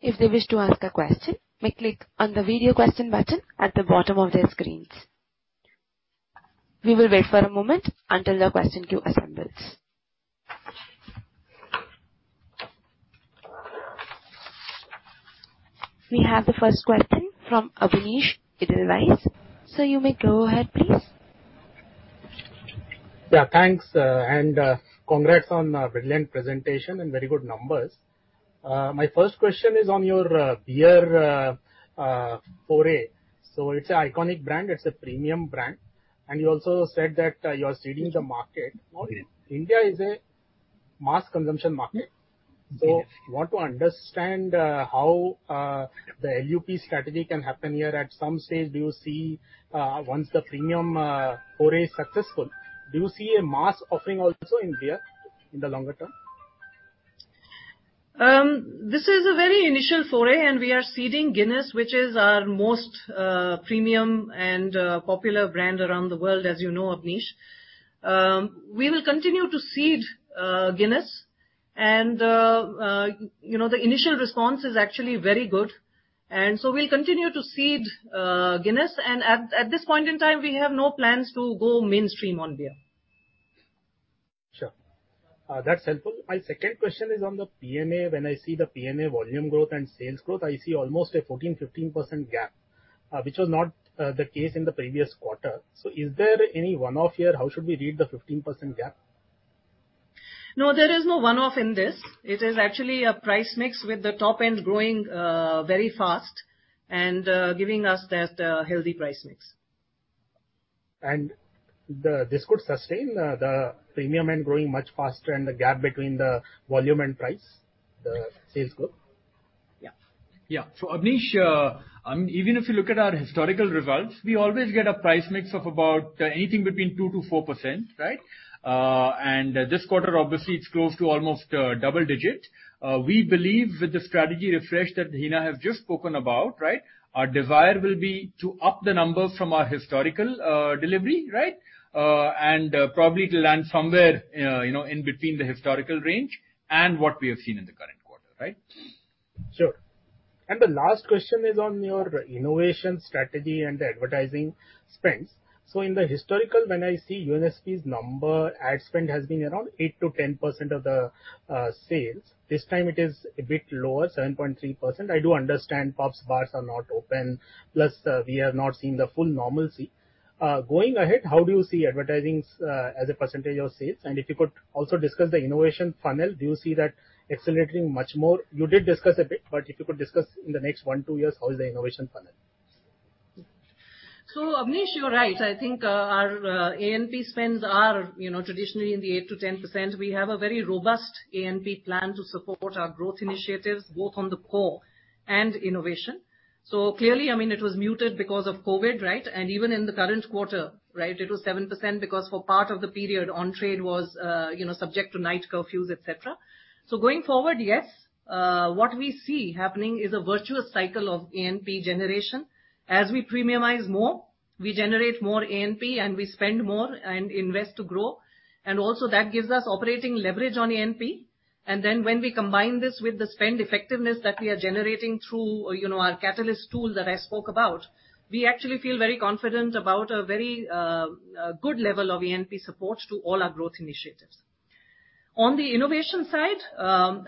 if they wish to ask a question, may click on the video question button at the bottom of their screens. We will wait for a moment until the question queue assembles. We have the first question from Abneesh, Edelweiss. Sir, you may go ahead, please. Yeah, thanks, and congrats on a brilliant presentation and very good numbers. My first question is on your beer foray. It's an iconic brand, it's a premium brand, and you also said that you are seeding the market. India is a mass consumption market. Mm-hmm. Want to understand how the LUP strategy can happen here. At some stage, do you see once the premium foray is successful, do you see a mass offering also in beer in the longer term? This is a very initial foray, and we are seeding Guinness, which is our most premium and popular brand around the world, as you know, Abneesh. We will continue to seed Guinness, and you know, the initial response is actually very good. We'll continue to seed Guinness. At this point in time, we have no plans to go mainstream on beer. Sure. That's helpful. My second question is on the P&A. When I see the P&A volume growth and sales growth, I see almost a 14%-15% gap, which was not the case in the previous quarter. Is there any one-off here? How should we read the 15% gap? No, there is no one-off in this. It is actually a price mix with the top end growing very fast and giving us that healthy price mix. This could sustain the premium end growing much faster and the gap between the volume and price, the sales growth? Yeah. Yeah. Abneesh, even if you look at our historical results, we always get a price mix of about anywhere between 2%-4%, right? This quarter, obviously, it's close to almost double digits. We believe with the Strategy Refresh that Hina has just spoken about, right, our desire will be to up the numbers from our historical delivery, right? Probably to land somewhere, you know, in between the historical range and what we have seen in the current quarter, right? Sure. The last question is on your innovation strategy and the advertising spends. In the historical, when I see USL's number, ad spend has been around 8%-10% of the sales. This time it is a bit lower, 7.3%. I do understand pubs, bars are not open, plus we have not seen the full normalcy. Going ahead, how do you see advertising as a percentage of sales? And if you could also discuss the innovation funnel, do you see that accelerating much more? You did discuss a bit, but if you could discuss in the next one to two years, how is the innovation funnel? Abneesh, you're right. I think our A&P spends are, you know, traditionally in the 8%-10%. We have a very robust A&P plan to support our growth initiatives, both on the core and innovation. Clearly, I mean, it was muted because of COVID, right? Even in the current quarter, right, it was 7% because for part of the period on-trade was, you know, subject to night curfews, et cetera. Going forward, yes, what we see happening is a virtuous cycle of A&P generation. As we premiumize more, we generate more A&P and we spend more and invest to grow. Also that gives us operating leverage on A&P. Then when we combine this with the spend effectiveness that we are generating through, you know, our Catalyst tool that I spoke about, we actually feel very confident about a very good level of A&P support to all our growth initiatives. On the innovation side,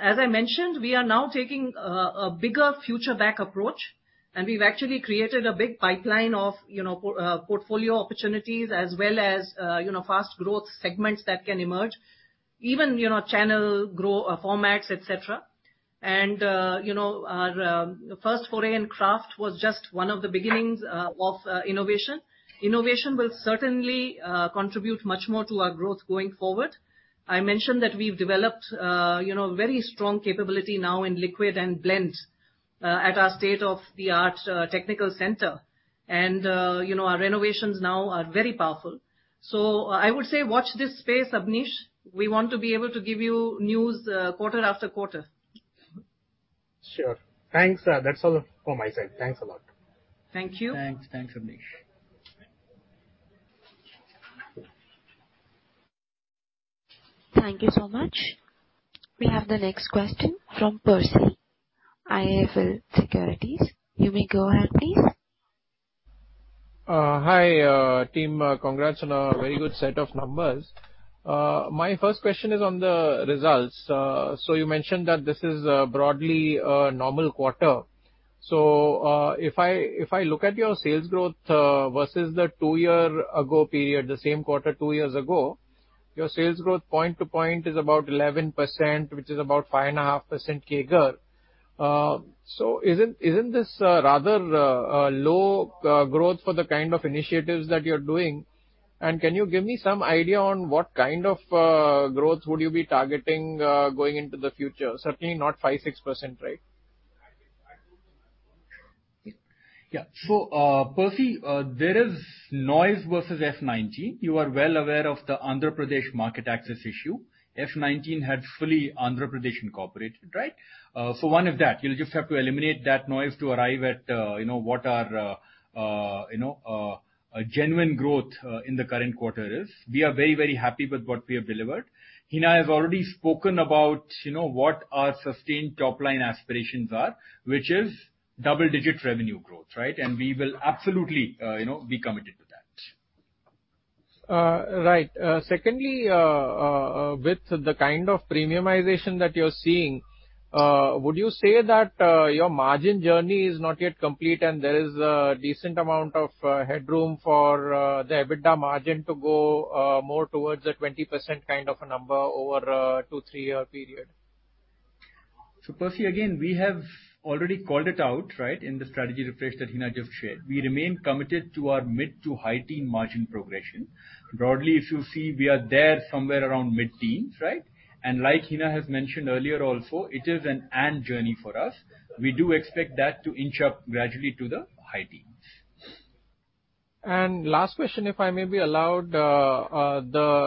as I mentioned, we are now taking a bigger future back approach, and we've actually created a big pipeline of, you know, portfolio opportunities as well as, you know, fast growth segments that can emerge, even, you know, channel growth formats, et cetera. Our first foray in craft was just one of the beginnings of innovation. Innovation will certainly contribute much more to our growth going forward. I mentioned that we've developed, you know, very strong capability now in liquid and blend, at our state-of-the-art, technical center. You know, our renovations now are very powerful. I would say watch this space, Abneesh. We want to be able to give you news, quarter after quarter. Sure. Thanks. That's all from my side. Thanks a lot. Thank you. Thanks. Thanks, Abneesh. Thank you so much. We have the next question from Percy, IIFL Securities. You may go ahead, please. Hi, team. Congrats on a very good set of numbers. My first question is on the results. You mentioned that this is broadly a normal quarter. If I look at your sales growth versus the two-year-ago period, the same quarter two years ago, your sales growth point to point is about 11%, which is about 5.5% CAGR. Isn't this rather low growth for the kind of initiatives that you're doing? Can you give me some idea on what kind of growth would you be targeting going into the future? Certainly not 5%, 6%, right? Percy, there is noise versus FY 2019. You are well aware of the Andhra Pradesh market access issue. FY 2019 had fully Andhra Pradesh incorporated, right? One of that, you'll just have to eliminate that noise to arrive at what our genuine growth in the current quarter is. We are very, very happy with what we have delivered. Hina has already spoken about what our sustained top-line aspirations are, which is double-digit revenue growth, right? We will absolutely be committed to that. Right. Secondly, with the kind of premiumization that you're seeing, would you say that your margin journey is not yet complete and there is a decent amount of headroom for the EBITDA margin to go more towards the 20% kind of a number over a two to three-year period? Percy, again, we have already called it out, right, in the strategy refresh that Hina just shared. We remain committed to our mid- to high-teens margin progression. Broadly, if you see, we are there somewhere around mid-teens, right? Like Hina has mentioned earlier also, it is an and journey for us. We do expect that to inch up gradually to the high teens. Last question, if I may be allowed. The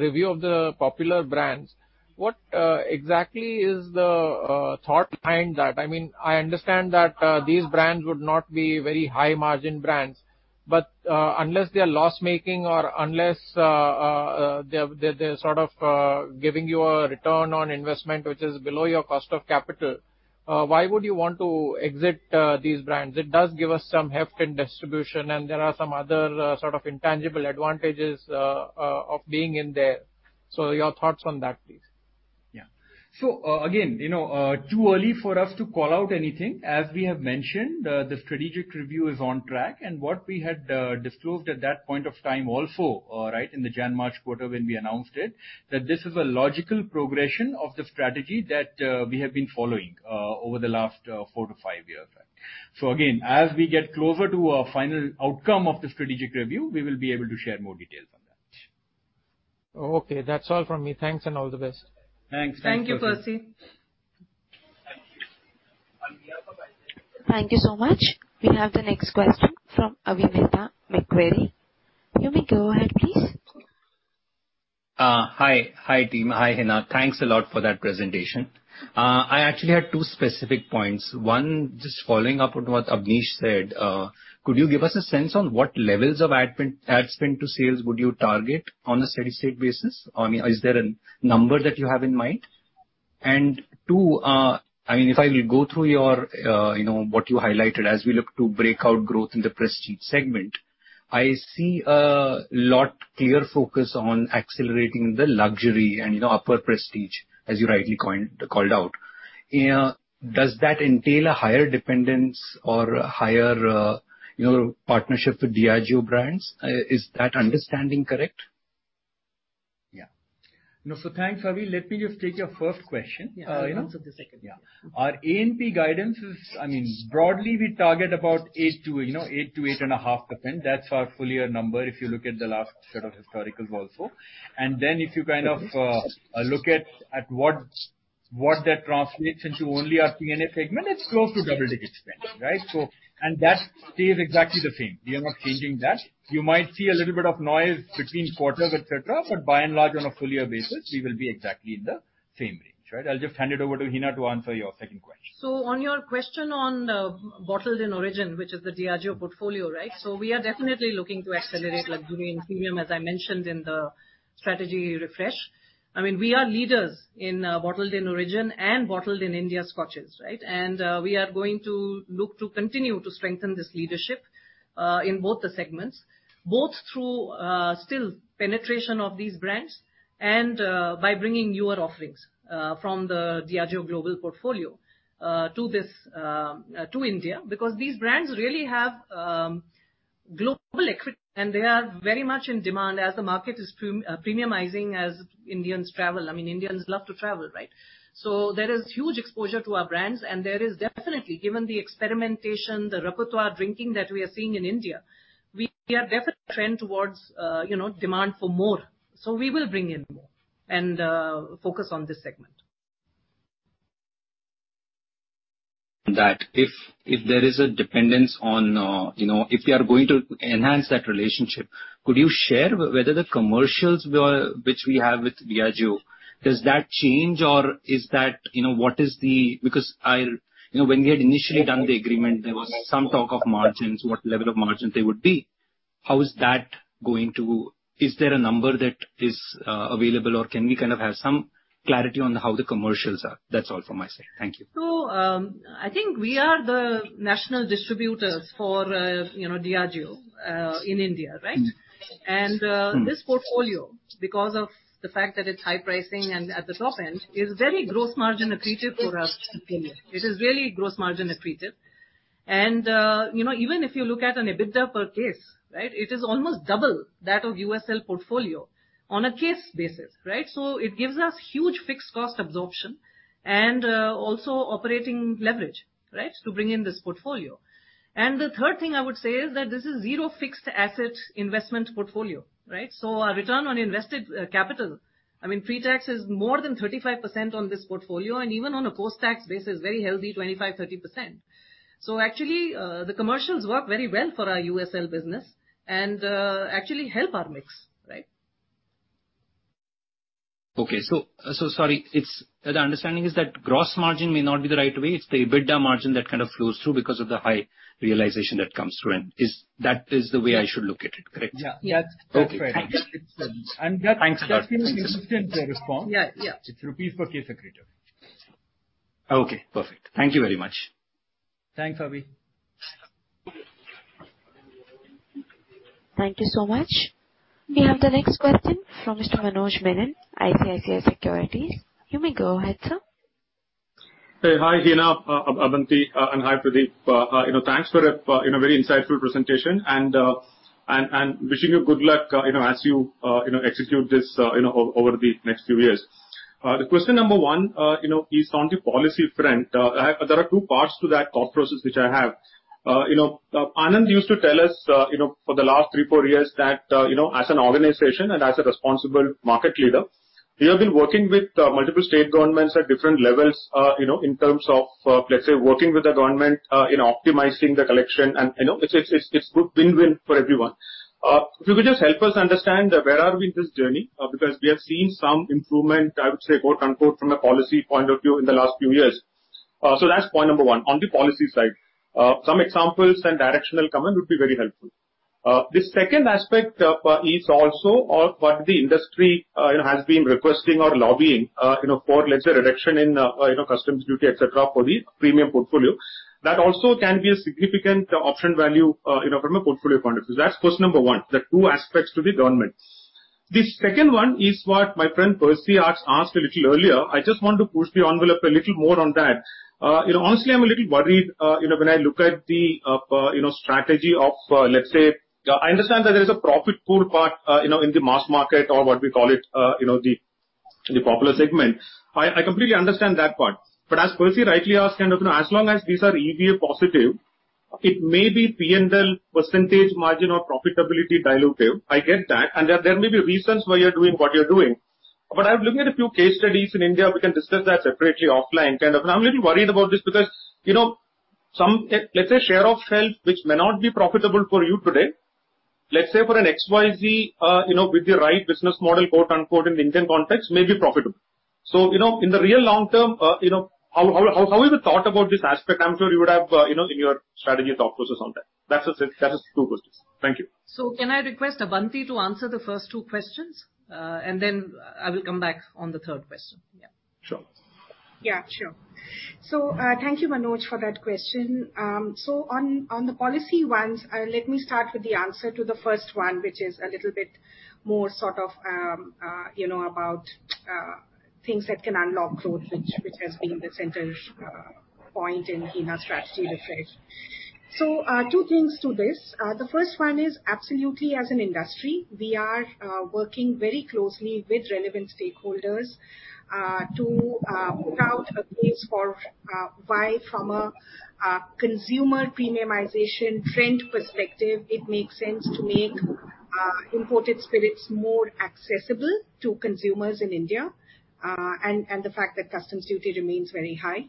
review of the popular brands, what exactly is the thought behind that? I mean, I understand that these brands would not be very high margin brands, but unless they are loss-making or unless they're sort of giving you a return on investment which is below your cost of capital, why would you want to exit these brands? It does give us some heft in distribution, and there are some other sort of intangible advantages of being in there. Your thoughts on that, please. Yeah. Again, you know, too early for us to call out anything. As we have mentioned, the strategic review is on track. What we had disclosed at that point of time also, right, in the Jan-March quarter when we announced it, that this is a logical progression of the strategy that we have been following over the last four to five years. Again, as we get closer to our final outcome of the strategic review, we will be able to share more details on that. Okay. That's all from me. Thanks, and all the best. Thanks. Thank you, Percy. Thank you so much. We have the next question from Abhinav, Macquarie. You may go ahead, please. Hi. Hi, team. Hi, Hina. Thanks a lot for that presentation. I actually had two specific points. One, just following up on what Abneesh said, could you give us a sense on what levels of ad spend to sales would you target on a steady-state basis? I mean, is there a number that you have in mind? Two, I mean, if I go through your, you know, what you highlighted, as we look to breakout growth in the prestige segment, I see a lot clear focus on accelerating the luxury and, you know, upper prestige, as you rightly coined, called out. Does that entail a higher dependence or higher, you know, partnership with Diageo brands? Is that understanding correct? Yeah. No, thanks, Abhi. Let me just take your first question. Yeah. I'll answer the second. Yeah. Our A&P guidance is, I mean, broadly we target about 8%-8.5%. That's our full year number if you look at the last set of historical also. Then if you kind of look at what- What that translates into only our CNA segment, it's close to double-digit spend, right? That stays exactly the same. We are not changing that. You might see a little bit of noise between quarters, et cetera, et cetera, but by and large, on a full year basis, we will be exactly in the same range, right? I'll just hand it over to Hina to answer your second question. On your question on bottled-in origin, which is the Diageo portfolio, right? We are definitely looking to accelerate, like doing premium, as I mentioned in the Strategy Refresh. I mean, we are leaders in bottled-in origin and bottled-in-India scotches, right? We are going to look to continue to strengthen this leadership in both the segments, both through still penetration of these brands and by bringing newer offerings from the Diageo global portfolio to India. Because these brands really have global equity, and they are very much in demand as the market is premiumizing as Indians travel. I mean, Indians love to travel, right? There is huge exposure to our brands, and there is definitely, given the experimentation, the repertoire drinking that we are seeing in India, we are definitely trend towards, you know, demand for more. We will bring in more and, focus on this segment. If there is a dependence on, you know, if we are going to enhance that relationship, could you share whether the commercials which we have with Diageo does that change or is that, you know, what is the? Because you know, when we had initially done the agreement, there was some talk of margins, what level of margins they would be. Is there a number that is available, or can we kind of have some clarity on how the commercials are? That's all from my side. Thank you. I think we are the national distributors for, you know, Diageo, in India, right? Mm-hmm. This portfolio, because of the fact that it's high pricing and at the top end, is very gross margin accretive for us. It is really gross margin accretive. You know, even if you look at an EBITDA per case, right? It is almost double that of USL portfolio on a case basis, right? It gives us huge fixed cost absorption and also operating leverage, right, to bring in this portfolio. The third thing I would say is that this is zero fixed asset investment portfolio, right? Our return on invested capital, I mean, pre-tax is more than 35% on this portfolio, and even on a post-tax basis, very healthy, 25%-30%. Actually, the commercials work very well for our USL business and actually help our mix, right? Okay. Sorry. It's the understanding is that gross margin may not be the right way. It's the EBITDA margin that kind of flows through because of the high realization that comes through and is that is the way I should look at it, correct? Yeah. Yeah. Okay, thanks. That's right. Thanks. Just in instance, I respond. Yeah, yeah. It's rupees per case accretive. Okay, perfect. Thank you very much. Thanks, Abhi. Thank you so much. We have the next question from Mr. Manoj Menon, ICICI Securities. You may go ahead, sir. Hey. Hi, Hina, Abanti, and hi, Pradeep. You know, thanks for a very insightful presentation and wishing you good luck, you know, as you execute this, you know, over the next few years. The question number one you know, is on the policy front. There are two parts to that thought process which I have. You know, Anand used to tell us, you know, for the last three, four years that, you know, as an organization and as a responsible market leader, we have been working with multiple state governments at different levels, you know, in terms of, let's say, working with the government, in optimizing the collection. It's good win-win for everyone. If you could just help us understand where are we in this journey? Because we have seen some improvement, I would say, quote and quote, "From a policy point of view," in the last few years. That's point number one on the policy side. Some examples and directional comment would be very helpful. The second aspect is also of what the industry, you know, has been requesting or lobbying, you know, for, let's say, reduction in, you know, customs duty, et cetera, for the premium portfolio. That also can be a significant option value, you know, from a portfolio point of view. That's question number one, the two aspects to the government. The second one is what my friend Percy asked a little earlier. I just want to push the envelope a little more on that. You know, honestly, I'm a little worried, you know, when I look at the strategy of, let's say. I understand that there is a profit pool part, you know, in the mass market or what we call it, you know, the popular segment. I completely understand that part. But as Percy rightly asked, kind of, you know, as long as these are EVA positive, it may be P&L percentage margin or profitability dilutive. I get that, and there may be reasons why you're doing what you're doing. But I've looked at a few case studies in India. We can discuss that separately offline, kind of. I'm a little worried about this because, you know, some, let's say, share of shelf, which may not be profitable for you today, let's say for an XYZ, you know, with the right business model, quote, unquote, "in the Indian context," may be profitable. You know, in the real long term, you know, how have you thought about this aspect? I'm sure you would have, you know, in your strategy thought process on that. That's just it. That is two questions. Thank you. Can I request Abanti to answer the first two questions? I will come back on the third question. Yeah. Sure. Yeah, sure. Thank you, Manoj, for that question. On the policy ones, let me start with the answer to the first one, which is a little bit more sort of, you know, about things that can unlock growth, which has been the center point in Hina's strategy refresh. Two things to this. The first one is absolutely as an industry, we are working very closely with relevant stakeholders to put out a case for why from a consumer premiumization trend perspective it makes sense to make imported spirits more accessible to consumers in India, and the fact that customs duty remains very high.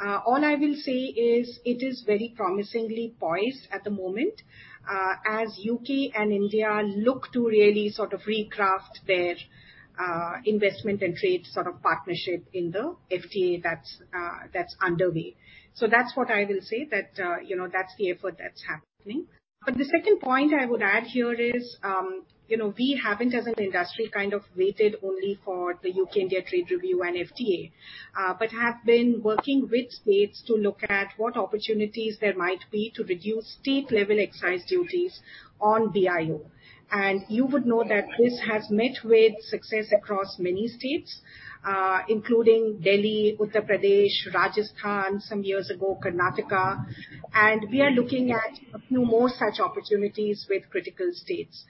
All I will say is it is very promisingly poised at the moment. As the U.K. and India look to really sort of recraft their investment and trade sort of partnership in the FTA that's underway. That's what I will say that, you know, that's the effort that's happening. The second point I would add here is, you know, we haven't, as an industry kind of waited only for the U.K. India trade review and FTA, but have been working with states to look at what opportunities there might be to reduce state level excise duties on BIO. You would know that this has met with success across many states, including Delhi, Uttar Pradesh, Rajasthan some years ago, Karnataka. We are looking at a few more such opportunities with critical states.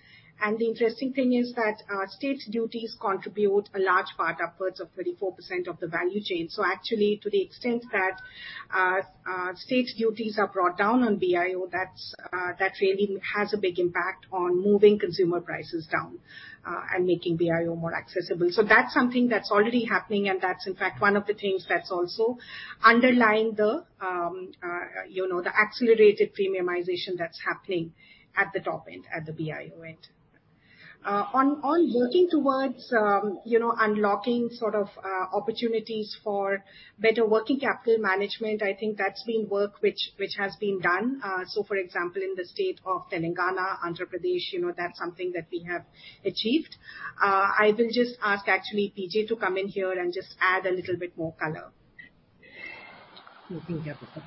The interesting thing is that state duties contribute a large part, upwards of 34% of the value chain. Actually to the extent that state duties are brought down on BIO, that's really has a big impact on moving consumer prices down and making BIO more accessible. That's something that's already happening and that's in fact one of the things that's also underlying the you know the accelerated premiumization that's happening at the top end, at the BIO end. On working towards you know unlocking sort of opportunities for better working capital management, I think that's been work which has been done. For example, in the state of Telangana, Andhra Pradesh, you know, that's something that we have achieved. I will just ask actually PJ to come in here and just add a little bit more color. Working capital.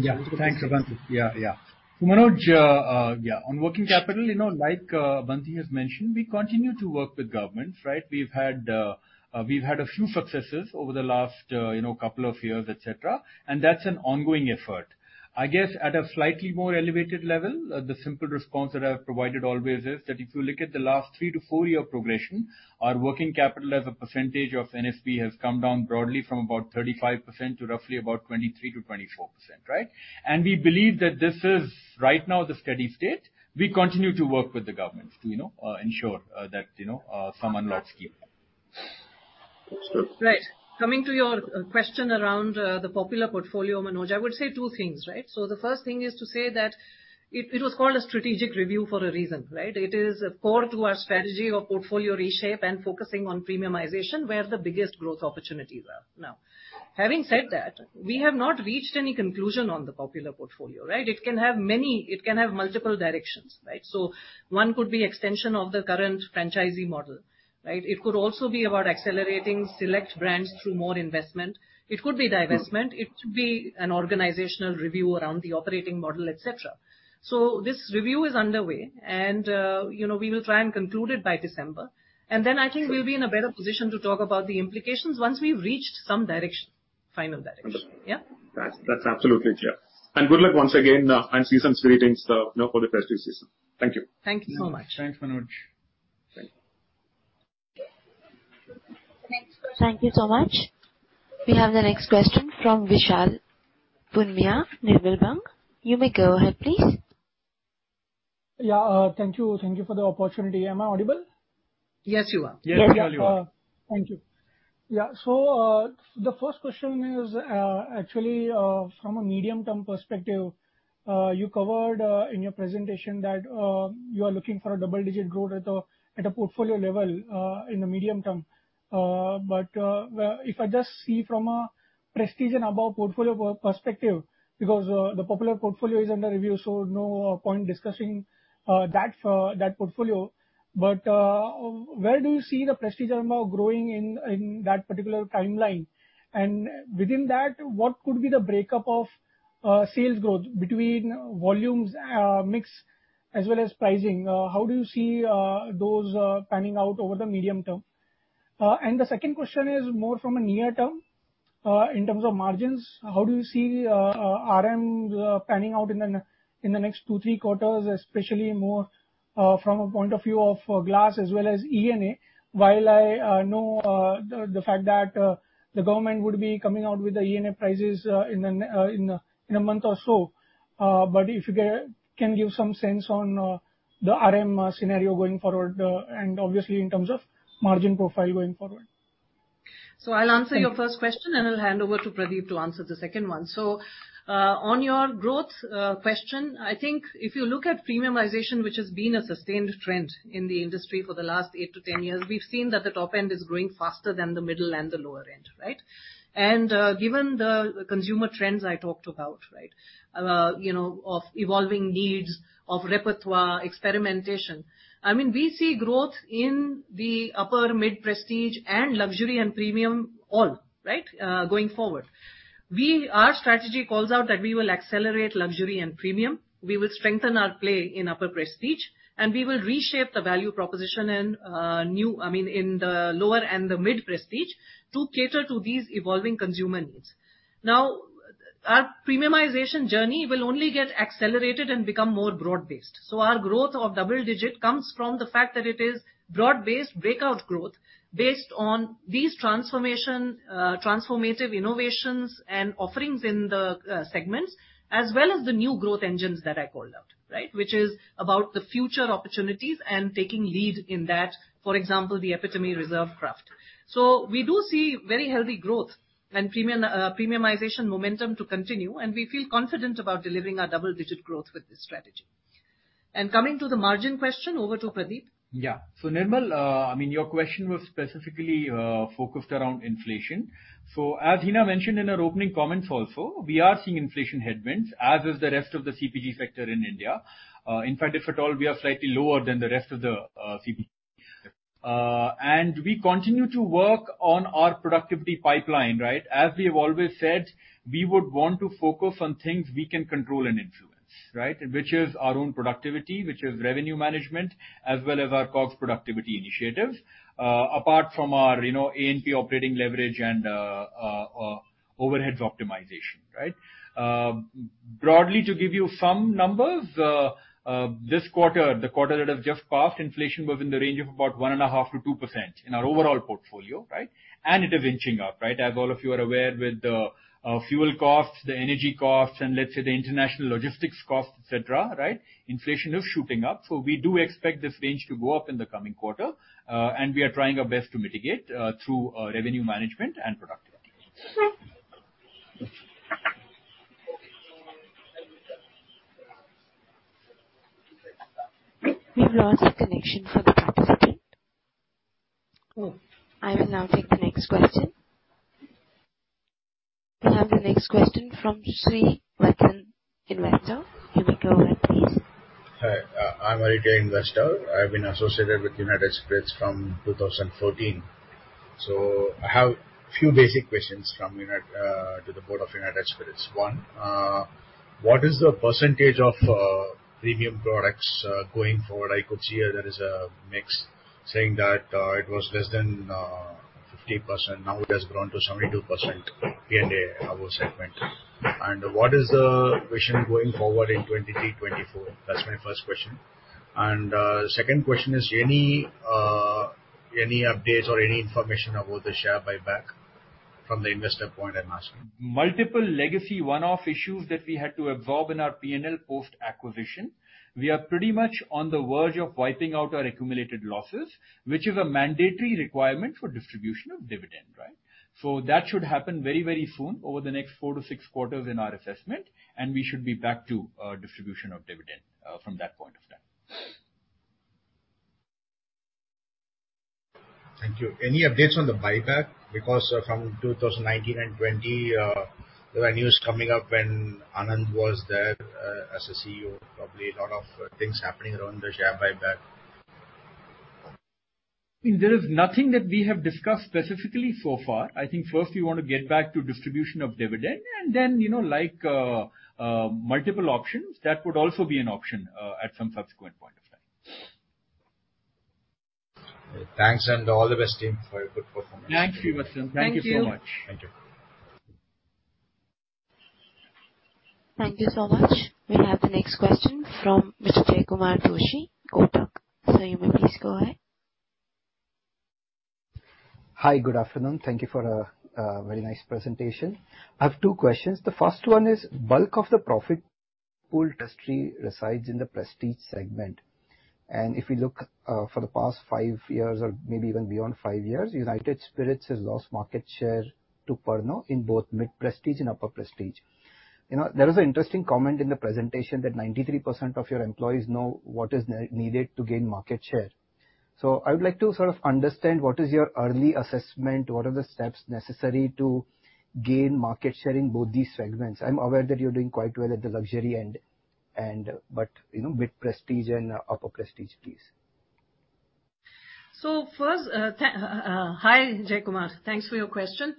Yeah. Thanks, Abanti. Manoj, on working capital, you know, like, Abanti has mentioned, we continue to work with governments, right? We've had a few successes over the last couple of years, et cetera, and that's an ongoing effort. I guess at a slightly more elevated level, the simple response that I've provided always is that if you look at the last three to four-year progression, our working capital as a percentage of NSV has come down broadly from about 35% to roughly about 23%-24%, right? We believe that this is right now the steady state. We continue to work with the governments to, you know, ensure that, you know, some unlocks keep happening. Right. Coming to your question around the popular portfolio, Manoj, I would say two things, right? The first thing is to say that it was called a strategic review for a reason, right? It is core to our strategy of portfolio reshape and focusing on premiumization, where the biggest growth opportunities are. Now, having said that, we have not reached any conclusion on the popular portfolio, right? It can have many. It can have multiple directions, right? One could be extension of the current franchisee model, right? It could also be about accelerating select brands through more investment. It could be divestment. It could be an organizational review around the operating model, et cetera. This review is underway and we will try and conclude it by December, and then I think we'll be in a better position to talk about the implications once we've reached some direction, final direction. That's absolutely clear. Good luck once again, and season's greetings, you know, for the festive season. Thank you. Thank you so much. Thanks, Manoj. Thank you. Thank you so much. We have the next question from Vishal Punmiya, Nirmal Bang. You may go ahead, please. Yeah. Thank you. Thank you for the opportunity. Am I audible? Yes, you are. Yes, we can hear you. Thank you. Yeah. The first question is, actually, from a medium-term perspective, you covered in your presentation that you are looking for a double-digit growth at a portfolio level in the medium term. If I just see from a Prestige and Above portfolio perspective, because the popular portfolio is under review, so no point discussing that for that portfolio. Where do you see the Prestige and Ab ove growing in that particular timeline? And within that, what could be the breakup of sales growth between volumes, mix as well as pricing? How do you see those panning out over the medium term? And the second question is more from a near term. In terms of margins, how do you see RM panning out in the next two, three quarters, especially more from a point of view of glass as well as ENA? While I know the fact that the government would be coming out with the ENA prices in a month or so, but if you can give some sense on the RM scenario going forward, and obviously in terms of margin profile going forward. I'll answer your first question, and I'll hand over to Pradeep to answer the second one. On your growth question, I think if you look at premiumization, which has been a sustained trend in the industry for the last eight to 10 years, we've seen that the top end is growing faster than the middle and the lower end, right? Given the consumer trends I talked about, right, you know, of evolving needs of repertoire, experimentation, I mean, we see growth in the upper mid prestige and luxury and premium all, right, going forward. Our strategy calls out that we will accelerate luxury and premium, we will strengthen our play in upper prestige, and we will reshape the value proposition in, I mean, in the lower and the mid prestige to cater to these evolving consumer needs. Now, our premiumization journey will only get accelerated and become more broad-based. Our growth of double-digit comes from the fact that it is broad-based breakout growth based on these transformative innovations and offerings in the segments, as well as the new growth engines that I called out, right? Which is about the future opportunities and taking lead in that, for example, the epitome reserve craft. We do see very healthy growth and premiumization momentum to continue, and we feel confident about delivering our double-digit growth with this strategy. Cming to the margin question, over to Pradeep. Yeah. Nirmal, I mean, your question was specifically focused around inflation. As Hina mentioned in her opening comments also, we are seeing inflation headwinds, as is the rest of the CPG sector in India. In fact, if at all, we are slightly lower than the rest of the CPG. We continue to work on our productivity pipeline, right? As we have always said, we would want to focus on things we can control and influence, right? Which is our own productivity, which is revenue management, as well as our cost productivity initiatives, apart from our, you know, A&P operating leverage and overheads optimization, right? Broadly, to give you some numbers, this quarter, the quarter that has just passed, inflation was in the range of about 1.5%-2% in our overall portfolio, right? And it is inching up, right? As all of you are aware, with the fuel costs, the energy costs, and let's say the international logistics costs, et cetera, right? Inflation is shooting up. We do expect this range to go up in the coming quarter, and we are trying our best to mitigate through revenue management and productivity. We've lost connection for the participant. Oh, I will now take the next question. We have the next question from Srivatsan, Investor. You may go ahead, please. Hi, I'm a retail investor. I've been associated with United Spirits from 2014. I have a few basic questions to the board of United Spirits. One, what is the percentage of premium products going forward? I could see there is a mix saying that it was less than 50%. Now it has grown to 72% P&A, our segment. What is the vision going forward in 2023, 2024? That's my first question. Second question is any updates or any information about the share buyback from the investor point I'm asking. Multiple legacy one-off issues that we had to absorb in our P&L post-acquisition. We are pretty much on the verge of wiping out our accumulated losses, which is a mandatory requirement for distribution of dividend, right? That should happen very, very soon over the next four to six quarters in our assessment, and we should be back to our distribution of dividend from that point of time. Thank you. Any updates on the buyback? Because from 2019 and 2020, there were news coming up when Anand was there, as a CEO, probably a lot of things happening around the share buyback. There is nothing that we have discussed specifically so far. I think first we want to get back to distribution of dividend and then, you know, like, multiple options, that would also be an option, at some subsequent point of time. Thanks and all the best team for your good performance. Thank you, Srivatsan. Thank you. Thank you so much. Thank you. Thank you so much. We have the next question from Mr. Jaykumar Doshi, Kotak. Sir, you may please go ahead. Hi, good afternoon. Thank you for a very nice presentation. I have two questions. The first one is, bulk of the profit pool industry resides in the prestige segment. If you look for the past five years or maybe even beyond five years, United Spirits has lost market share to Pernod in both mid-prestige and upper prestige. You know, there is an interesting comment in the presentation that 93% of your employees know what is needed to gain market share. I would like to sort of understand what is your early assessment, what are the steps necessary to gain market share in both these segments. I'm aware that you're doing quite well at the luxury end, but you know, mid-prestige and upper prestige, please. First, hi, Jaykumar. Thanks for your question.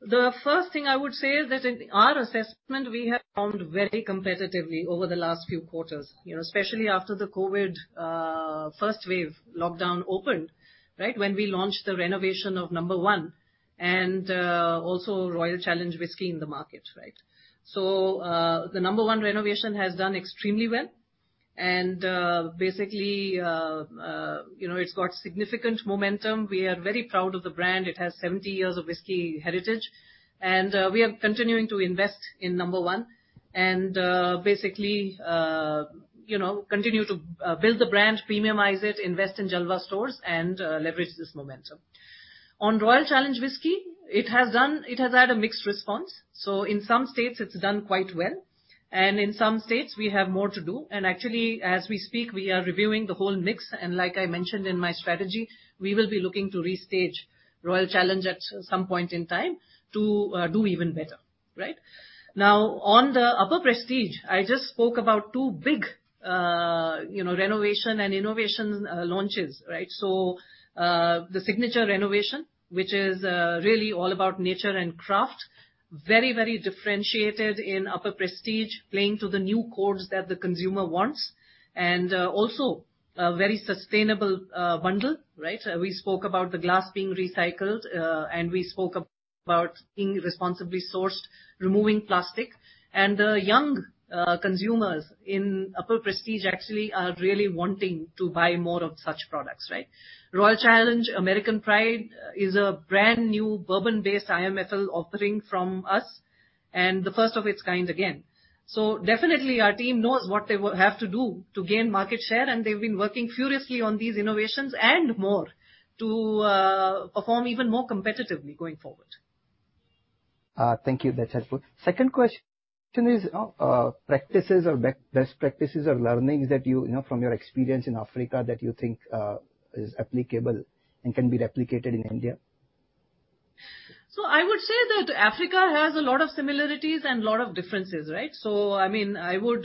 The first thing I would say is that in our assessment, we have performed very competitively over the last few quarters, you know, especially after the COVID first wave lockdown opened, right? When we launched the renovation of Number One and also Royal Challenge Whiskey in the market, right? The No. 1 Renovation has done extremely well. Basically, you know, it's got significant momentum. We are very proud of the brand. It has 70 years of whiskey heritage, and we are continuing to invest in No. 1 And basically, you know, continue to build the brand, premiumize it, invest in Jalwa stores and leverage this momentum. On Royal Challenge Whiskey, it has had a mixed response. In some states it's done quite well, and in some states we have more to do. Actually, as we speak, we are reviewing the whole mix. Like I mentioned in my strategy, we will be looking to restage Royal Challenge at some point in time to do even better, right? Now, on the upper prestige, I just spoke about two big, you know, renovation and innovation launches, right? The Signature renovation, which is really all about nature and craft, very, very differentiated in upper prestige, playing to the new chords that the consumer wants. Also a very sustainable bundle, right? We spoke about the glass being recycled, and we spoke about being responsibly sourced, removing plastic. The young consumers in upper prestige actually are really wanting to buy more of such products, right? Royal Challenge American Pride is a brand-new bourbon-based IMFL offering from us and the first of its kind again. Definitely our team knows what they have to do to gain market share, and they've been working furiously on these innovations and more to perform even more competitively going forward. Thank you, that's helpful. Second question is, practices or best practices or learnings that you know from your experience in Africa that you think is applicable and can be replicated in India? I would say that Africa has a lot of similarities and a lot of differences, right? I mean, I would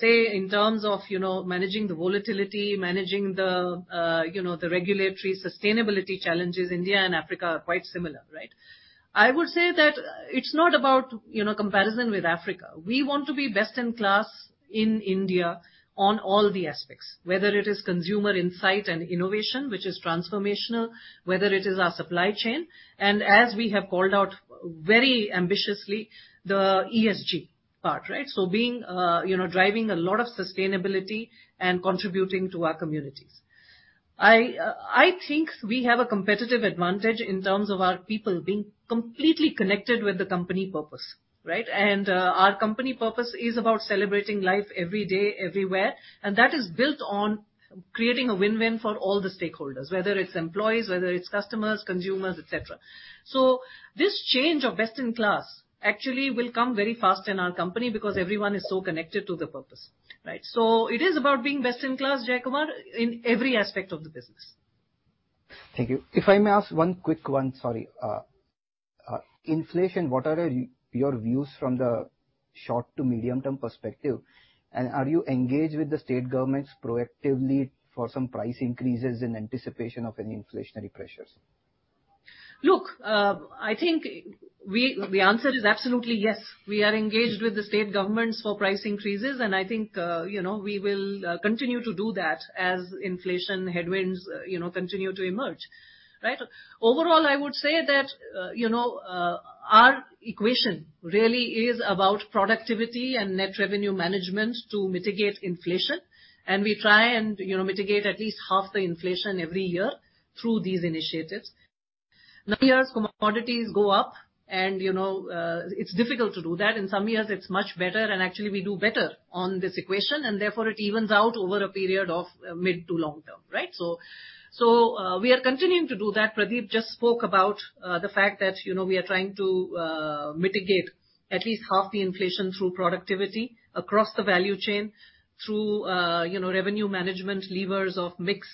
say in terms of, you know, managing the volatility, managing the regulatory sustainability challenges, India and Africa are quite similar, right? I would say that it's not about, you know, comparison with Africa. We want to be best in class in India on all the aspects, whether it is consumer insight and innovation, which is transformational, whether it is our supply chain, and as we have called out very ambitiously, the ESG part, right? Being, you know, driving a lot of sustainability and contributing to our communities. I think we have a competitive advantage in terms of our people being completely connected with the company purpose, right? Our company purpose is about celebrating life every day, everywhere, and that is built on creating a win-win for all the stakeholders, whether it's employees, whether it's customers, consumers, et cetera. This change of best in class actually will come very fast in our company because everyone is so connected to the purpose, right? It is about being best in class, Jaykumar, in every aspect of the business. Thank you. If I may ask one quick one. Sorry. Inflation, what are your views from the short to medium term perspective, and are you engaged with the state governments proactively for some price increases in anticipation of any inflationary pressures? Look, I think the answer is absolutely yes. We are engaged with the state governments for price increases, and I think, you know, we will continue to do that as inflation headwinds, you know, continue to emerge, right? Overall, I would say that, you know, our equation really is about productivity and net revenue management to mitigate inflation and we try and, you know, mitigate at least half the inflation every year through these initiatives. Now, in years commodities go up and, you know, it's difficult to do that. In some years, it's much better, and actually we do better on this equation, and therefore it evens out over a period of mid- to long-term, right? So, we are continuing to do that. Pradeep just spoke about the fact that, you know, we are trying to mitigate at least half the inflation through productivity across the value chain, through you know, revenue management levers of mix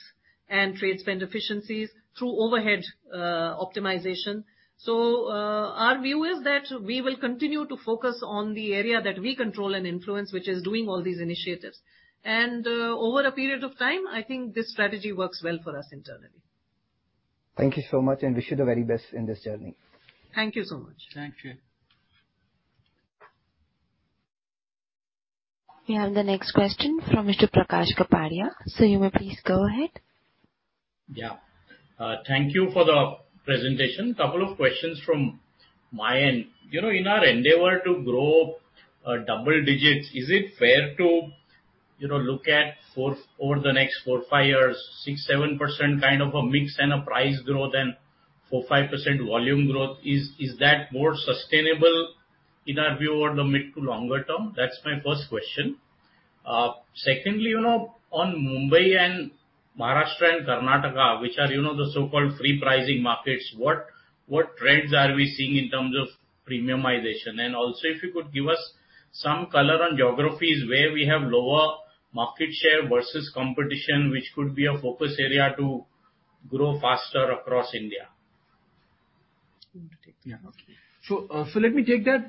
and trade spend efficiencies through overhead optimization. Our view is that we will continue to focus on the area that we control and influence, which is doing all these initiatives. Over a period of time, I think this strategy works well for us internally. Thank you so much, and wish you the very best in this journey. Thank you so much. Thank you. We have the next question from Mr. Prakash Kapadia, so you may please go ahead. Yeah. Thank you for the presentation. A couple of questions from my end. You know, in our endeavor to grow double digits, is it fair to, you know, look at over the next four to five years, 6%-7% kind of a mix and a price growth and 4-5% volume growth? Is that more sustainable in our view over the mid to longer term? That's my first question. Second, you know, on Mumbai and Maharashtra and Karnataka, which are, you know, the so-called free pricing markets, what trends are we seeing in terms of premiumization? And also if you could give us some color on geographies where we have lower market share versus competition, which could be a focus area to grow faster across India. Do you want to take that? Let me take that,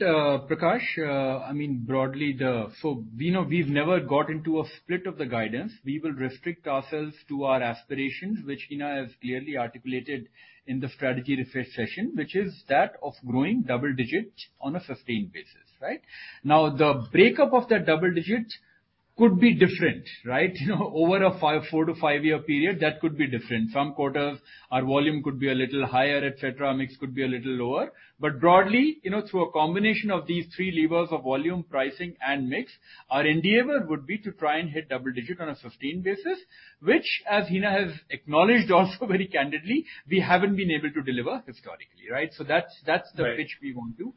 Prakash. I mean, broadly, you know, we've never got into a split of the guidance. We will restrict ourselves to our aspirations, which Hina has clearly articulated in the strategy refresh session, which is that of growing double digits on a sustained basis, right? Now, the breakup of that double digits could be different, right? You know, over a 4-5-year period, that could be different. Some quarters, our volume could be a little higher, et cetera, mix could be a little lower. But broadly, you know, through a combination of these three levers of volume, pricing and mix, our endeavor would be to try and hit double digit on a sustained basis, which as Hina has acknowledged also very candidly, we haven't been able to deliver historically, right? That's the- Right. Pitch we want to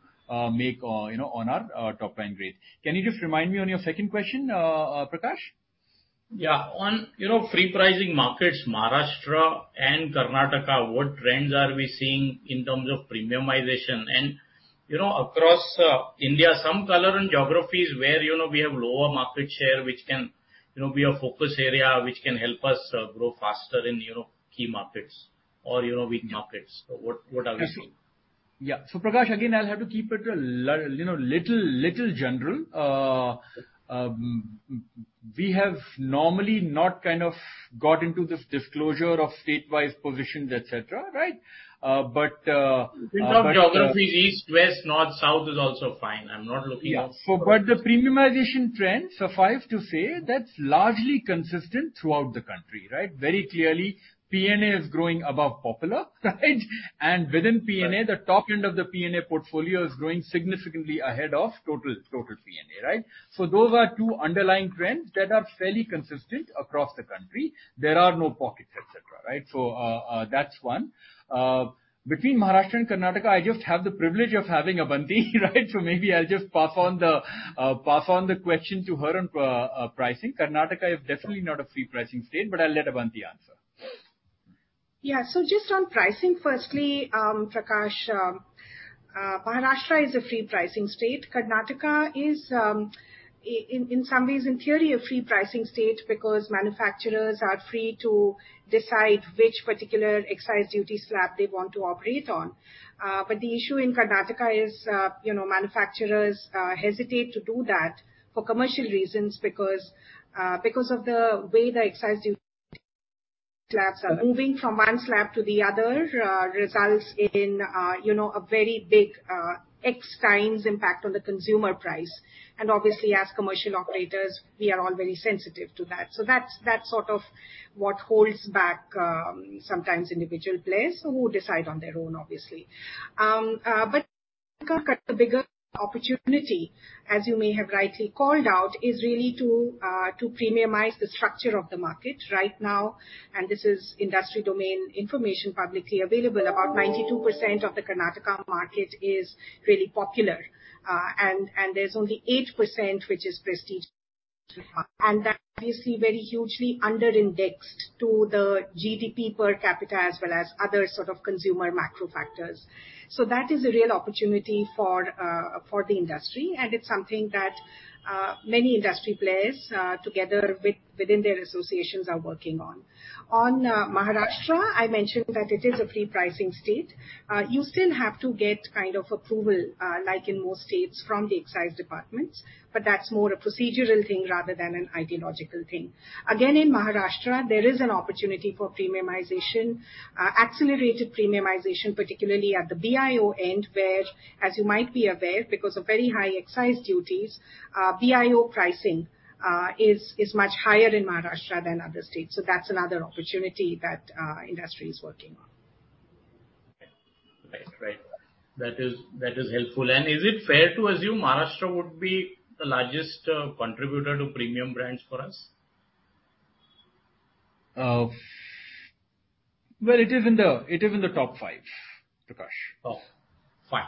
make, you know, on our top line growth. Can you just remind me on your second question, Prakash? Yeah. On you know, free pricing markets, Maharashtra and Karnataka, what trends are we seeing in terms of premiumization? You know, across India, some color in geographies where you know, we have lower market share, which can you know, be a focus area, which can help us grow faster in you know, key markets or you know, weak markets. What are we seeing? Prakash, again, I'll have to keep it a little general. You know, we have normally not kind of got into this disclosure of state-wise positions, et cetera, right? But- In terms of geographies, east, west, north, south is also fine. I'm not looking at. Yeah, the premiumization trend, suffice to say, that's largely consistent throughout the country, right? Very clearly, P&A is growing above Popular, right? Within P&A- Right. The top end of the P&A portfolio is growing significantly ahead of total P&A, right? Those are two underlying trends that are fairly consistent across the country. There are no pockets, et cetera, right? That's one. Between Maharashtra and Karnataka, I just have the privilege of having Abanti, right? Maybe I'll just pass on the question to her on pricing. Karnataka is definitely not a free pricing state, but I'll let Abanti answer. Yeah. Just on pricing, firstly, Prakash, Maharashtra is a free pricing state. Karnataka is, in some ways in theory, a free pricing state because manufacturers are free to decide which particular excise duty slab they want to operate on. The issue in Karnataka is, you know, manufacturers hesitate to do that for commercial reasons because of the way the excise duty slabs are moving from one slab to the other results in, you know, a very big, X times impact on the consumer price. Obviously, as commercial operators, we are all very sensitive to that. That's sort of what holds back, sometimes individual players who decide on their own, obviously. The bigger opportunity, as you may have rightly called out, is really to premiumize the structure of the market right now, and this is industry domain information publicly available. About 92% of the Karnataka market is really popular, and there's only 8% which is prestige. That is, you see, very hugely under indexed to the GDP per capita as well as other sort of consumer macro factors. That is a real opportunity for the industry, and it's something that many industry players together within their associations are working on. On Maharashtra, I mentioned that it is a free pricing state. You still have to get kind of approval, like in most states from the excise departments, but that's more a procedural thing rather than an ideological thing. Again, in Maharashtra, there is an opportunity for premiumization, accelerated premiumization, particularly at the BIO end, where, as you might be aware, because of very high excise duties, BIO pricing is much higher in Maharashtra than other states. That's another opportunity that industry is working on. Right. That is helpful. Is it fair to assume Maharashtra would be the largest contributor to premium brands for us? Well, it is in the top five, Prakash. Oh, fine.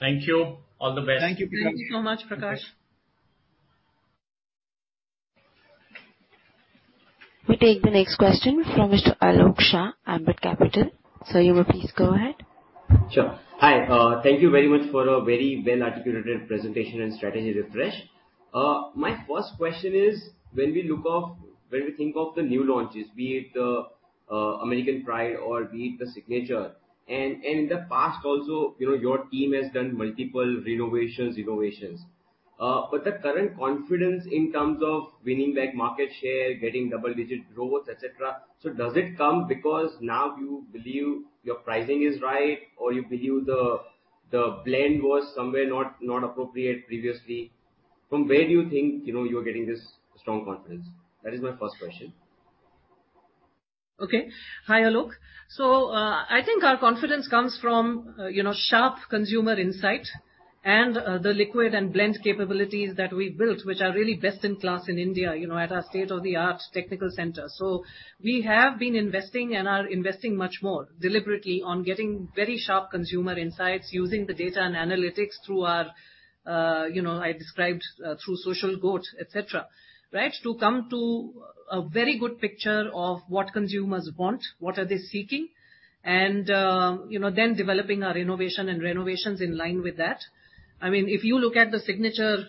Thank you. All the best. Thank you, Prakash. Thank you so much, Prakash. We'll take the next question from Mr. Alok Shah, Ambit Capital. Sir, you may please go ahead. Sure. Hi, thank you very much for a very well-articulated presentation and strategy refresh. My first question is, when we think of the new launches, be it American Pride or be it the Signature, and in the past also, you know, your team has done multiple renovations, innovations. The current confidence in terms of winning back market share, getting double-digit growth, et cetera. Does it come because now you believe your pricing is right or you believe the blend was somewhere not appropriate previously? From where do you think, you know, you're getting this strong confidence? That is my first question. Okay. Hi, Alok. I think our confidence comes from, you know, sharp consumer insight and the liquid and blend capabilities that we've built, which are really best in class in India, you know, at our state-of-the-art technical center. We have been investing and are investing much more deliberately on getting very sharp consumer insights using the data and analytics through our, you know, I described, through Social GOAT, et cetera, right? To come to a very good picture of what consumers want, what are they seeking, and, you know, then developing our innovation and renovations in line with that. I mean, if you look at the Signature,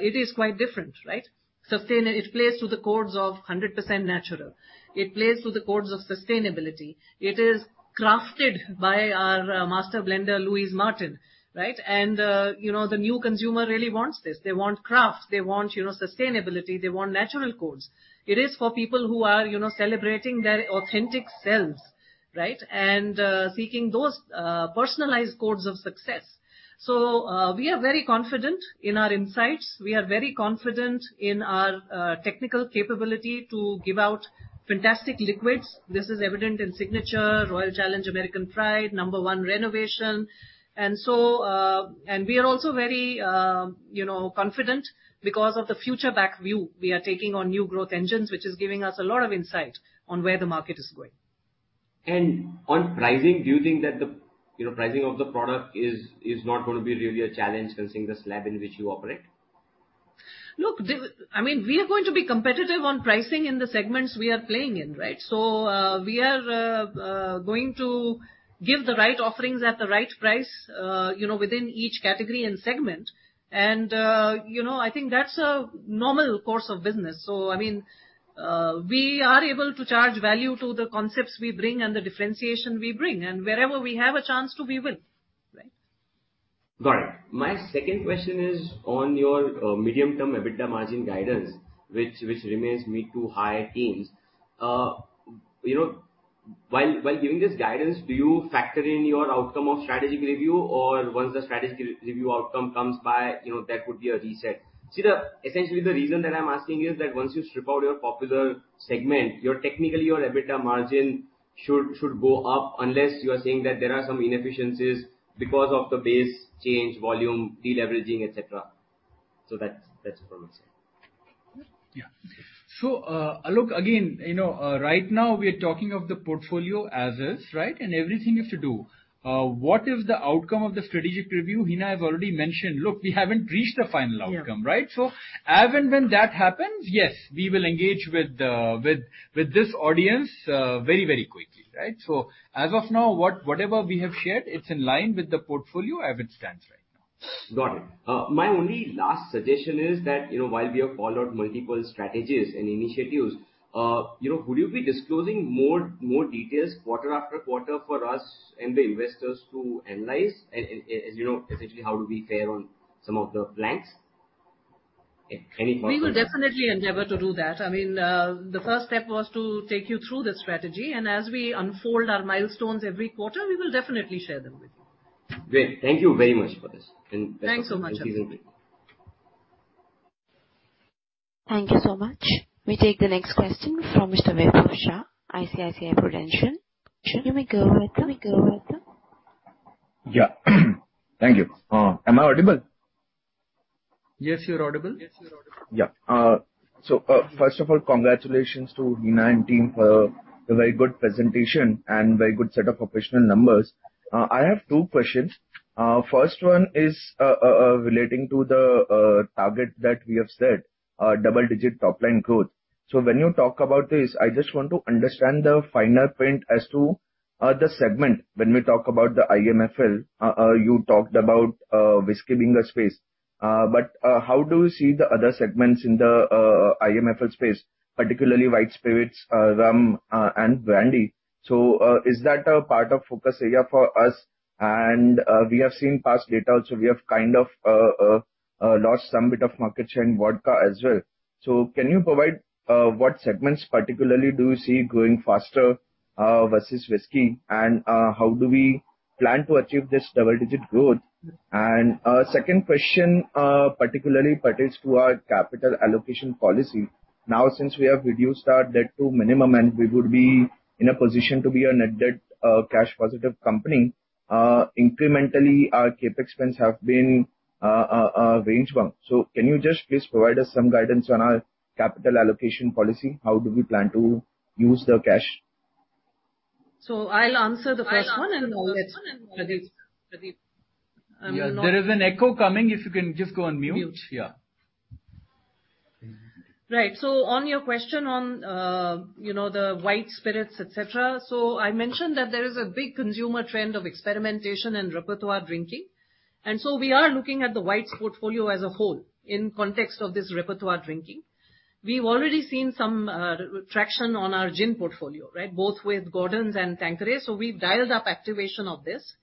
it is quite different, right? It plays to the chords of 100% natural. It plays to the chords of sustainability. It is crafted by our master blender, Louise Martin, right? You know, the new consumer really wants this. They want craft, they want, you know, sustainability, they want natural chords. It is for people who are, you know, celebrating their authentic selves, right? Seeking those personalized chords of success. We are very confident in our insights. We are very confident in our technical capability to give out fantastic liquids. This is evident in Signature, Royal Challenge, American Pride, number one renovation. We are also very, you know, confident because of the future back view we are taking on new growth engines, which is giving us a lot of insight on where the market is going. On pricing, do you think that the, you know, pricing of the product is not gonna be really a challenge considering the slab in which you operate? Look, I mean, we are going to be competitive on pricing in the segments we are playing in, right? We are going to give the right offerings at the right price, you know, within each category and segment. You know, I think that's a normal course of business. I mean, we are able to charge value to the concepts we bring and the differentiation we bring. Wherever we have a chance to, we will. Right. Got it. My second question is on your medium-term EBITDA margin guidance, which remains mid- to high teens%. You know, while giving this guidance, do you factor in your outcome of strategic review? Or once the strategic review outcome comes by, you know, that could be a reset. Essentially the reason that I'm asking is that once you strip out your popular segment, technically your EBITDA margin should go up unless you are saying that there are some inefficiencies because of the base change, volume, deleveraging, et cetera. That's it from my side. Yeah. Look again, you know, right now we are talking of the portfolio as is, right? Everything is to-do. What is the outcome of the strategic review? Hina has already mentioned. Look, we haven't reached a final outcome, right? Yeah. As and when that happens, yes, we will engage with this audience very quickly, right? As of now, whatever we have shared, it's in line with the portfolio as it stands right now. Got it. My only last suggestion is that, you know, while we have followed multiple strategies and initiatives, you know, will you be disclosing more details quarter after quarter for us and the investors to analyze, and, you know, essentially how do we fare on some of the blanks? Any thoughts on that? We will definitely endeavor to do that. I mean, the first step was to take you through the strategy, and as we unfold our milestones every quarter, we will definitely share them with you. Great. Thank you very much for this. That's all. Thanks so much. Thank you. Thank you so much. We take the next question from Mr. Vaibhav Shah, ICICI Prudential. Should we go with them? Yeah. Thank you. Am I audible? Yes, you're audible. Yeah. First of all, congratulations to Hina and team for a very good presentation and very good set of operational numbers. I have two questions. First one is relating to the target that we have set, double-digit top line growth. When you talk about this, I just want to understand the finer print as to the segment when we talk about the IMFL. You talked about whiskey being the space. How do you see the other segments in the IMFL space, particularly white spirits, rum, and brandy? Is that a part of focus area for us? We have seen past data, so we have kind of lost some bit of market share in vodka as well. Can you provide what segments particularly do you see growing faster versus whiskey? And how do we plan to achieve this double-digit growth? Second question particularly pertains to our capital allocation policy. Now, since we have reduced our debt to minimum, and we would be in a position to be a net debt cash positive company, incrementally our CapEx spends have been range-bound. Can you just please provide us some guidance on our capital allocation policy? How do we plan to use the cash? I'll answer the first one, and then let Pradeep. Pradeep, I will not- Yeah. There is an echo coming. If you can just go on mute. Yeah. Right. On your question on, you know, the white spirits, et cetera. I mentioned that there is a big consumer trend of experimentation and repertoire drinking, and so we are looking at the whites portfolio as a whole in context of this repertoire drinking. We've already seen some traction on our gin portfolio, right? Both with Gordon's and Tanqueray, so we've dialed up activation of this.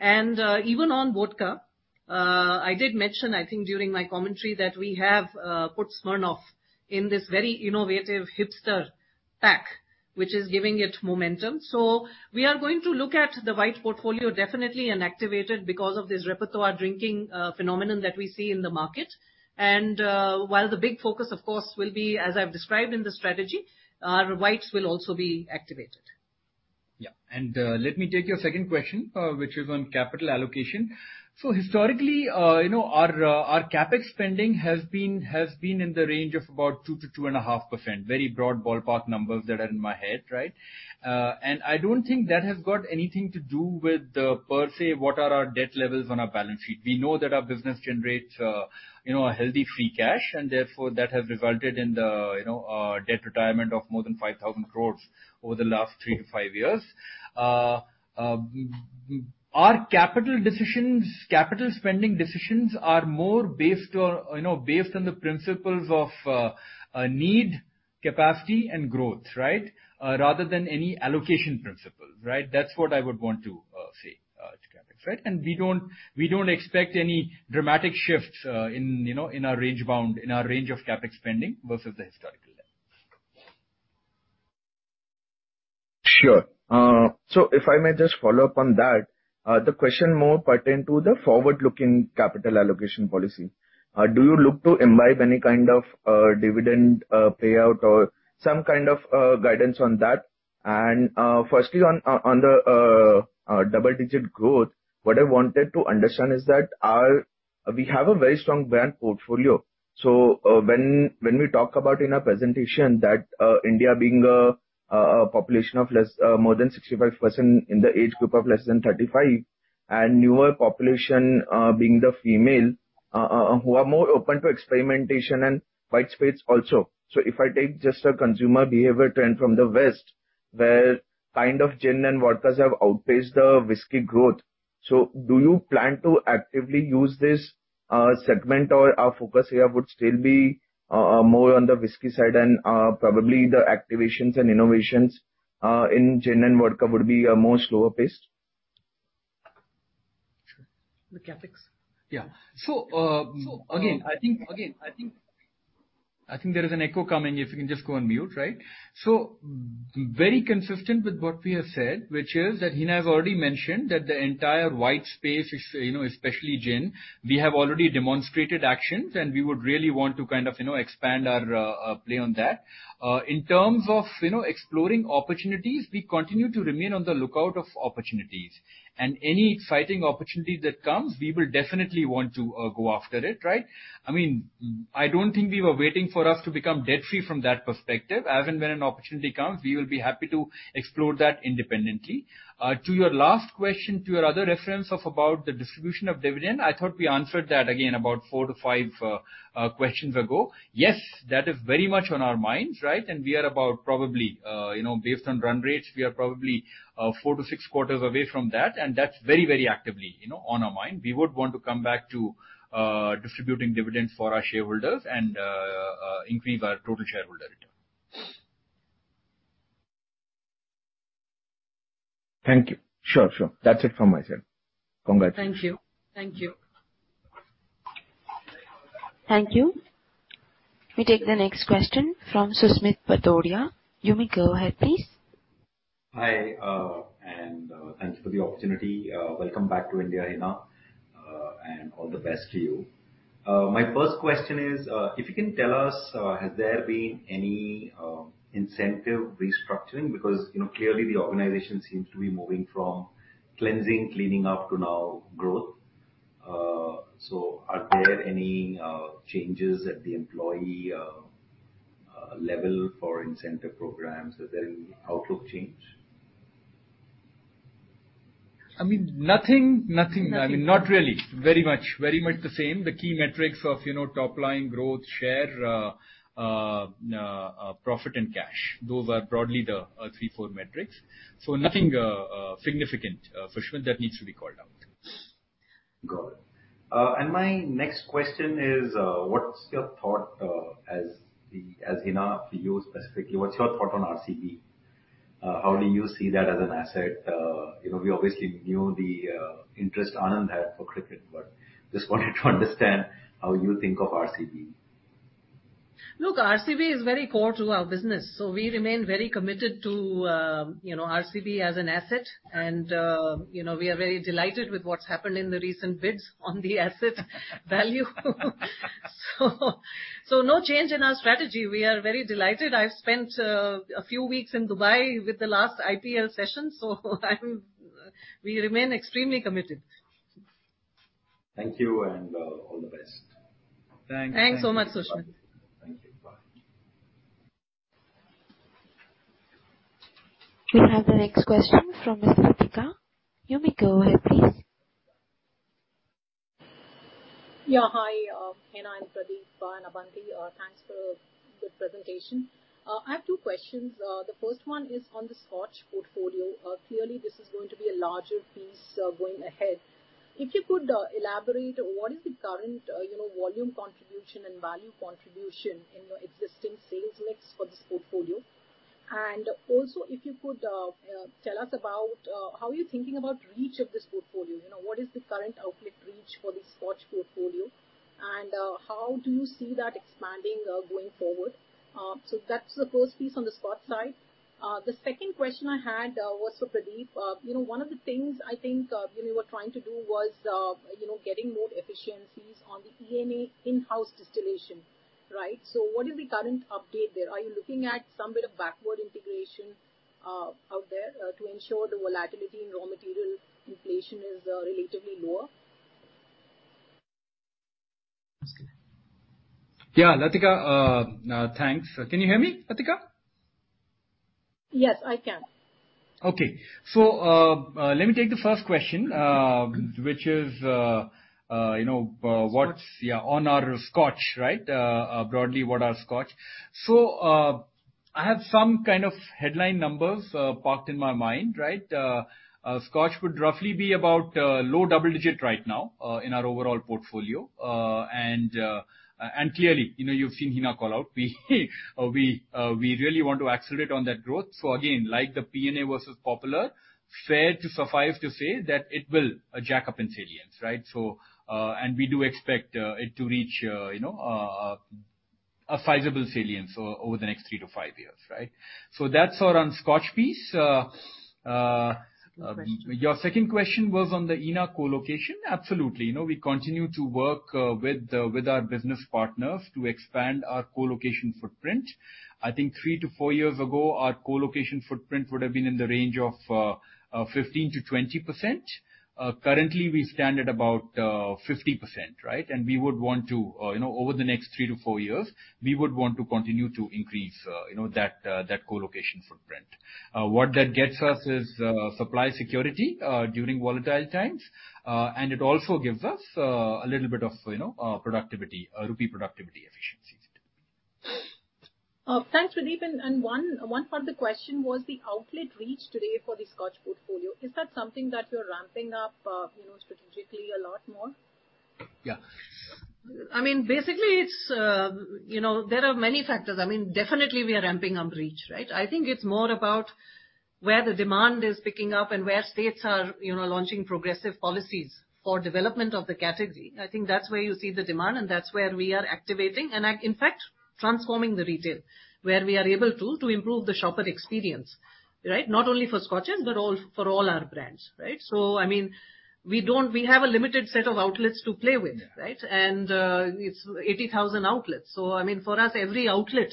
Even on vodka, I did mention, I think during my commentary, that we have put Smirnoff in this very innovative hipster pack, which is giving it momentum. We are going to look at the white portfolio definitely and activate it because of this repertoire drinking phenomenon that we see in the market. While the big focus, of course, will be, as I've described in the strategy, whites will also be activated. Yeah, let me take your second question, which is on capital allocation. Historically, you know, our CapEx spending has been in the range of about 2%-2.5%. Very broad ballpark numbers that are in my head, right? I don't think that has got anything to do with, per se, what are our debt levels on our balance sheet. We know that our business generates, you know, a healthy free cash, and therefore that has resulted in the, you know, debt retirement of more than 5,000 crore over the last three to five years. Our capital decisions, capital spending decisions are more based on the principles of need, capacity and growth, right? Rather than any allocation principles, right? That's what I would want to say to CapEx, right? We don't expect any dramatic shifts in, you know, our range of CapEx spending versus the historical levels. Sure. So if I may just follow up on that. The question more pertain to the forward-looking capital allocation policy. Do you look to imbibe any kind of dividend payout or some kind of guidance on that? Firstly, on the double-digit growth, what I wanted to understand is that we have a very strong brand portfolio. When we talk about in our presentation that India being a population of more than 65% in the age group of less than 35, and younger population being the female who are more open to experimentation and white spirits also. If I take just a consumer behavior trend from the West, where kind of gin and vodkas have outpaced the whiskey growth, so do you plan to actively use this segment, or our focus here would still be more on the whiskey side and probably the activations and innovations in gin and vodka would be more slower paced? The CapEx? Yeah. I think there is an echo coming if you can just go on mute. Right. Very consistent with what we have said, which is that Hina has already mentioned that the entire white space, you know, especially gin, we have already demonstrated actions, and we would really want to kind of, you know, expand our play on that. In terms of, you know, exploring opportunities, we continue to remain on the lookout for opportunities and any exciting opportunity that comes, we will definitely want to go after it, right? I mean, I don't think we were waiting for us to become debt free from that perspective. As and when an opportunity comes, we will be happy to explore that independently. To your last question, to your other reference of about the distribution of dividend, I thought we answered that again about four to five questions ago. Yes, that is very much on our minds, right? We are about probably, you know, based on run rates, we are probably 4-6 quarters away from that. That's very, very actively, you know, on our mind. We would want to come back to distributing dividends for our shareholders and increase our total shareholder return. Thank you. Sure. That's it from my side. Congratulations. Thank you. Thank you. Thank you. We take the next question from Susmit Patodia. You may go ahead, please. Hi, and thanks for the opportunity. Welcome back to India, Hina, and all the best to you. My first question is, if you can tell us, has there been any incentive restructuring? Because, you know, clearly the organization seems to be moving from cleaning up to now growth. Are there any changes at the employee level for incentive programs? Has there been any outlook change? I mean, nothing. I mean, not really. Very much the same. The key metrics of, you know, top line growth, share, profit and cash. Those are broadly the three, four metrics. Nothing significant, for sure that needs to be called out. Got it. My next question is, what's your thought as Hina for you specifically, what's your thought on RCB? How do you see that as an asset? We obviously knew the interest Anand had for cricket, but just wanted to understand how you think of RCB. Look, RCB is very core to our business, so we remain very committed to you know, RCB as an asset. We are very delighted with what's happened in the recent bids on the asset value. No change in our strategy. We are very delighted. I've spent a few weeks in Dubai with the last IPL season. We remain extremely committed. Thank you and all the best. Thanks. Thanks so much, Susmit. Thank you. Bye. We have the next question from Latika. You may go ahead, please. Yeah. Hi, Hina and Pradeep. From Abanti. Thanks for good presentation. I have two questions. The first one is on the Scotch portfolio. Clearly this is going to be a larger piece, going ahead. If you could elaborate what is the current, you know, volume contribution and value contribution in your existing sales mix for this portfolio. And also if you could tell us about how are you thinking about reach of this portfolio? What is the current outlet reach for the Scotch portfolio and how do you see that expanding, going forward? So that's the first piece on the Scotch side. The second question I had was for Pradeep. One of the things I think you were trying to do was you know, getting more efficiencies on the ENA in-house distillation, right? What is the current update there? Are you looking at some bit of backward integration out there to ensure the volatility in raw material inflation is relatively lower? Yeah. Latika, thanks. Can you hear me, Latika? Yes, I can. Okay. Let me take the first question, which is, you know, what's Scotch. Yeah, on our Scotch, right. Broadly, what is Scotch? I have some kind of headline numbers parked in my mind, right. Scotch would roughly be about low double-digit right now in our overall portfolio. Clearly, you know, you've seen Hina call out. We really want to accelerate on that growth. Again, like the P&A versus Popular, it's fair to say that it will jack up in salience, right? We do expect it to reach a sizable salience over the next three to five years, right? That's all on Scotch piece. Second question. Your second question was on the ENA co-location. Absolutely. You know, we continue to work with our business partners to expand our co-location footprint. I think three to four years ago, our co-location footprint would have been in the range of 15%-20%. Currently we stand at about 50%, right? We would want to, you know, over the next three to four years, we would want to continue to increase, you know, that co-location footprint. What that gets us is supply security during volatile times. It also gives us a little bit of, you know, productivity, rupee productivity efficiencies. Thanks, Pradeep. One further question: what's the outlet reach today for the Scotch portfolio? Is that something that you're ramping up, you know, strategically a lot more? Yeah. I mean, basically it's, you know, there are many factors. I mean, definitely we are ramping up reach, right? I think it's more about where the demand is picking up and where states are, you know, launching progressive policies for development of the category. I think that's where you see the demand and that's where we are activating and, like, in fact, transforming the retail where we are able to improve the shopper experience, right? Not only for Scotches but for all our brands, right? We have a limited set of outlets to play with, right? It's 80,000 outlets. I mean, for us, every outlet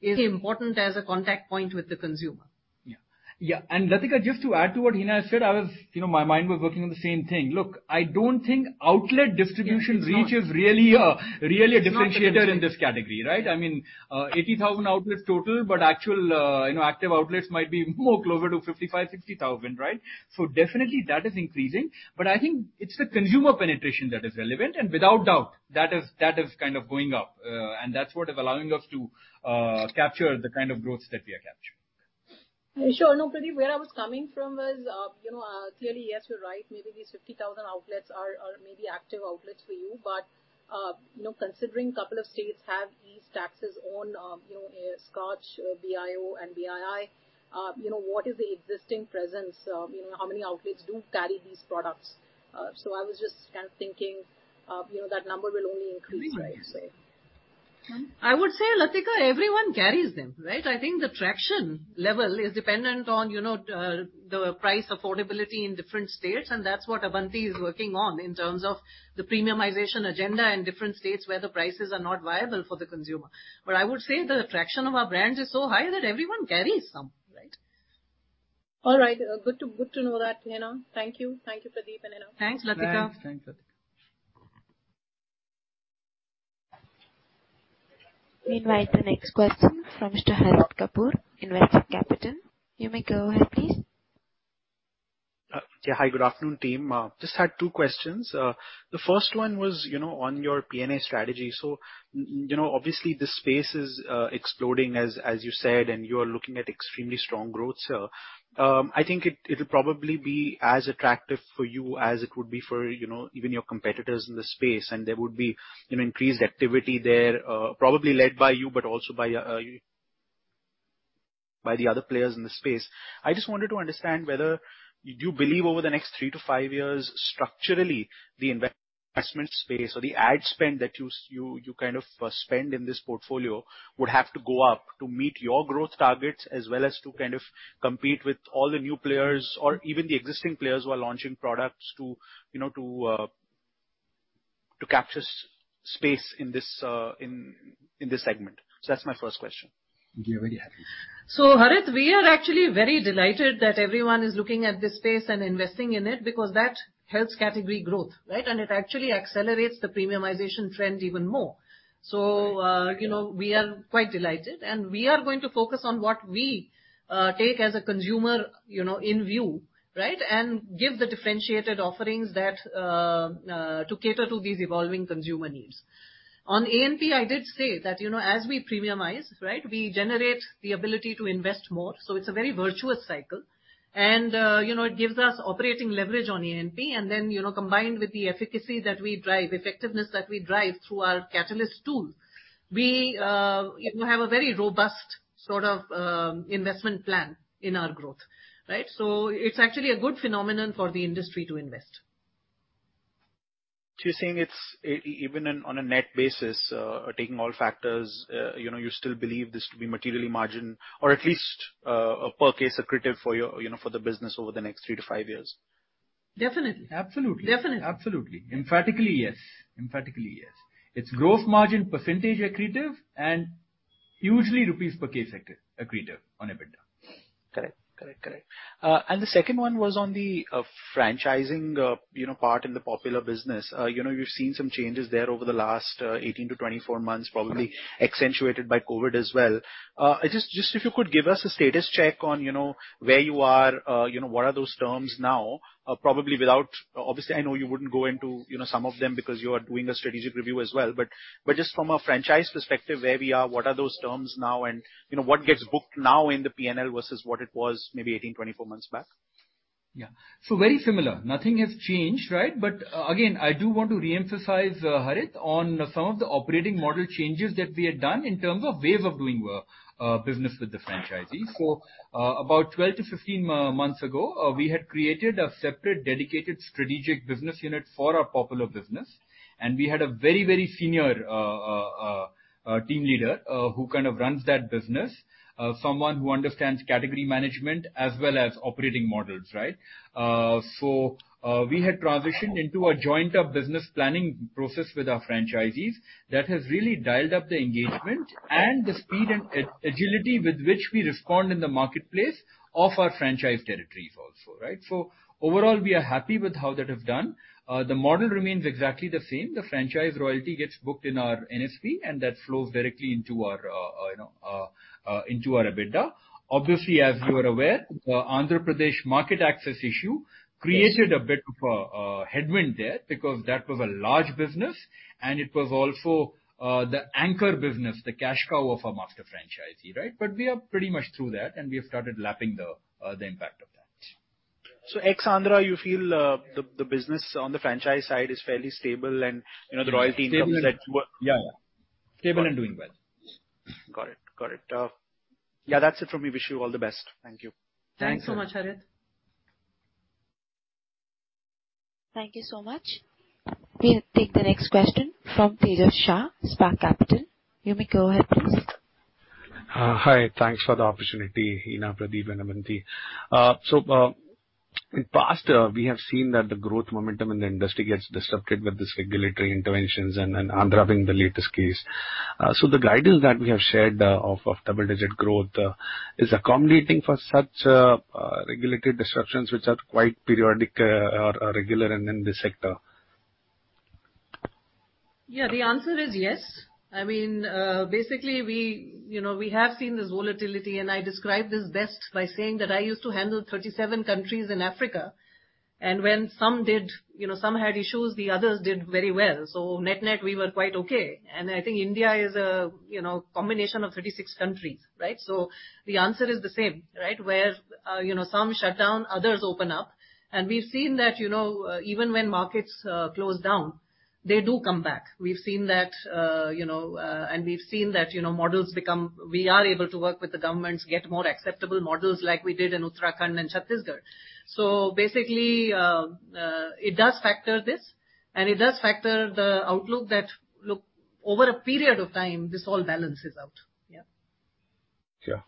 is important as a contact point with the consumer. Yeah. Yeah. Latika, just to add to what Hina said, I was, you know, my mind was working on the same thing. Look, I don't think outlet distribution reach is really a differentiator in this category, right? I mean, 80,000 outlets total, but actual, you know, active outlets might be more closer to 55,000-60,000, right? So definitely that is increasing. But I think it's the consumer penetration that is relevant, and without doubt that is kind of going up. And that's what is allowing us to capture the kind of growth that we are capturing. Sure. No, Pradeep, where I was coming from was, you know, clearly, yes, you're right, maybe these 50,000 outlets are maybe active outlets for you. Considering couple of states have these taxes on, you know, Scotch, BIO and BII, you know, what is the existing presence? You know, how many outlets do carry these products? So I was just kind of thinking, you know, that number will only increase, right, say. I would say, Latika, everyone carries them, right? I think the traction level is dependent on, you know, the price affordability in different states, and that's what Abanti is working on in terms of the premiumization agenda in different states where the prices are not viable for the consumer. I would say the traction of our brands is so high that everyone carries some, right? All right. Good to know that, Hina. Thank you. Thank you, Pradeep and Hina. Thanks, Latika. Thanks. Thanks, Latika. We invite the next question from Mr. Harit Kapoor, Investec Capital. You may go ahead, please. Hi. Good afternoon, team. Just had two questions. The first one was, you know, on your P&A strategy. You know, obviously this space is exploding, as you said, and you're looking at extremely strong growth here. I think it'll probably be as attractive for you as it would be for, you know, even your competitors in the space, and there would be an increased activity there, probably led by you, but also by the other players in the space. I just wanted to understand whether you do believe over the next three to five years structurally the investment space or the ad spend that you kind of spend in this portfolio would have to go up to meet your growth targets as well as to kind of compete with all the new players or even the existing players who are launching products to, you know, to capture space in this, in this segment. That's my first question. We are very happy. Harit, we are actually very delighted that everyone is looking at this space and investing in it because that helps category growth, right? It actually accelerates the premiumization trend even more. You know, we are quite delighted, and we are going to focus on what we take as a consumer, you know, in view, right? Give the differentiated offerings that to cater to these evolving consumer needs. On A&P, I did say that, you know, as we premiumize, right, we generate the ability to invest more, so it's a very virtuous cycle. You know, it gives us operating leverage on A&P, and then, you know, combined with the efficacy that we drive, effectiveness that we drive through our Catalyst tools, we, you know, have a very robust sort of investment plan in our growth, right? It's actually a good phenomenon for the industry to invest. You're saying it's even on a net basis, taking all factors, you know, you still believe this to be materially margin-accretive or at least per-case accretive for your, you know, for the business over the next three to five years? Definitely. Absolutely. Definitely. Absolutely. Emphatically yes. It's growth margin percentage accretive and hugely rupees per case accretive on EBITDA. Correct. The second one was on the franchising, you know, part in the Popular business. You've seen some changes there over the last 18-24 months, probably accentuated by COVID as well. Just if you could give us a status check on, you know, where you are, you know, what are those terms now, probably without. Obviously, I know you wouldn't go into, you know, some of them because you are doing a strategic review as well. Just from a franchise perspective, where we are, what are those terms now and, you know, what gets booked now in the P&L versus what it was maybe 18-24 months back. Yeah. Very similar. Nothing has changed, right? But again, I do want to reemphasize, Harit, on some of the operating model changes that we have done in terms of way of doing business with the franchisees. About 12-15 months ago, we had created a separate dedicated strategic business unit for our Popular business, and we had a very senior team leader who kind of runs that business, someone who understands category management as well as operating models, right? We had transitioned into a joint-up business planning process with our franchisees that has really dialed up the engagement and the speed and agility with which we respond in the marketplace of our franchise territories also, right? Overall, we are happy with how that has done. The model remains exactly the same. The franchise royalty gets booked in our NSV, and that flows directly into our, you know, into our EBITDA. Obviously, as you are aware, the Andhra Pradesh market access issue created a bit of a headwind there because that was a large business and it was also the anchor business, the cash cow of our master franchisee, right? We are pretty much through that, and we have started lapping the impact of that. Ex-Andhra, you feel the business on the franchise side is fairly stable and, you know, the royalty income- Yeah. Stable and doing well. Got it. Yeah, that's it from me. Wish you all the best. Thank you. Thanks. Thanks so much, Harit. Thank you so much. We'll take the next question from Tejas Shah, Spark Capital. You may go ahead, please. Hi. Thanks for the opportunity, Hina, Pradeep and Abanti. In the past, we have seen that the growth momentum in the industry gets disrupted with these regulatory interventions and Andhra being the latest case. The guidance that we have shared of double-digit growth is accommodating for such regulatory disruptions which are quite periodic or regular in this sector. Yeah. The answer is yes. I mean, basically, we, you know, we have seen this volatility, and I describe this best by saying that I used to handle 37 countries in Africa, and when some did, you know, some had issues, the others did very well. Net-net, we were quite okay. I think India is a, you know, comb ination of 36 countries, right? The answer is the same, right? Where, you know, some shut down, others open up. We've seen that, you know, even when markets close down, they do come back. We've seen that, you know, models become more acceptable. We are able to work with the governments to get more acceptable models, like we did in Uttarakhand and Chhattisgarh. Basically, it does factor this, and it does factor the outlook that, look, over a period of time, this all balances out. Yeah. Sure.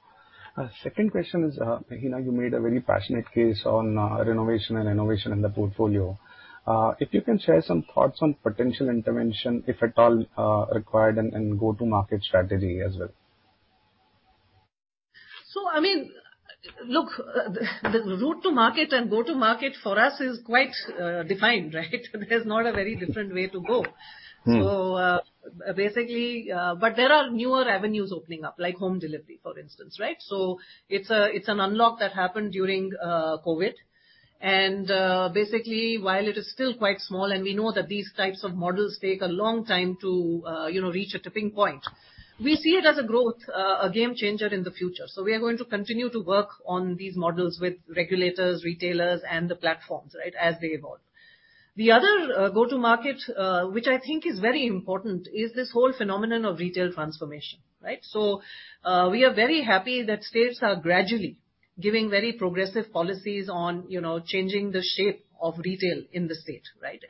Second question is, Hina, you made a very passionate case on renovation and innovation in the portfolio. If you can share some thoughts on potential intervention, if at all, required and go-to-market strategy as well. I mean, look, the route to market and go to market for us is quite defined, right? There's not a very different way to go. Basically, there are newer avenues opening up, like home delivery, for instance, right? It's an unlock that happened during COVID. Basically, while it is still quite small, and we know that these types of models take a long time to, you know, reach a tipping point. We see it as a growth, a game changer in the future. We are going to continue to work on these models with regulators, retailers, and the platforms, right, as they evolve. The other go-to-market, which I think is very important is this whole phenomenon of retail transformation, right? We are very happy that states are gradually giving very progressive policies on, you know, changing the shape of retail in the state, right?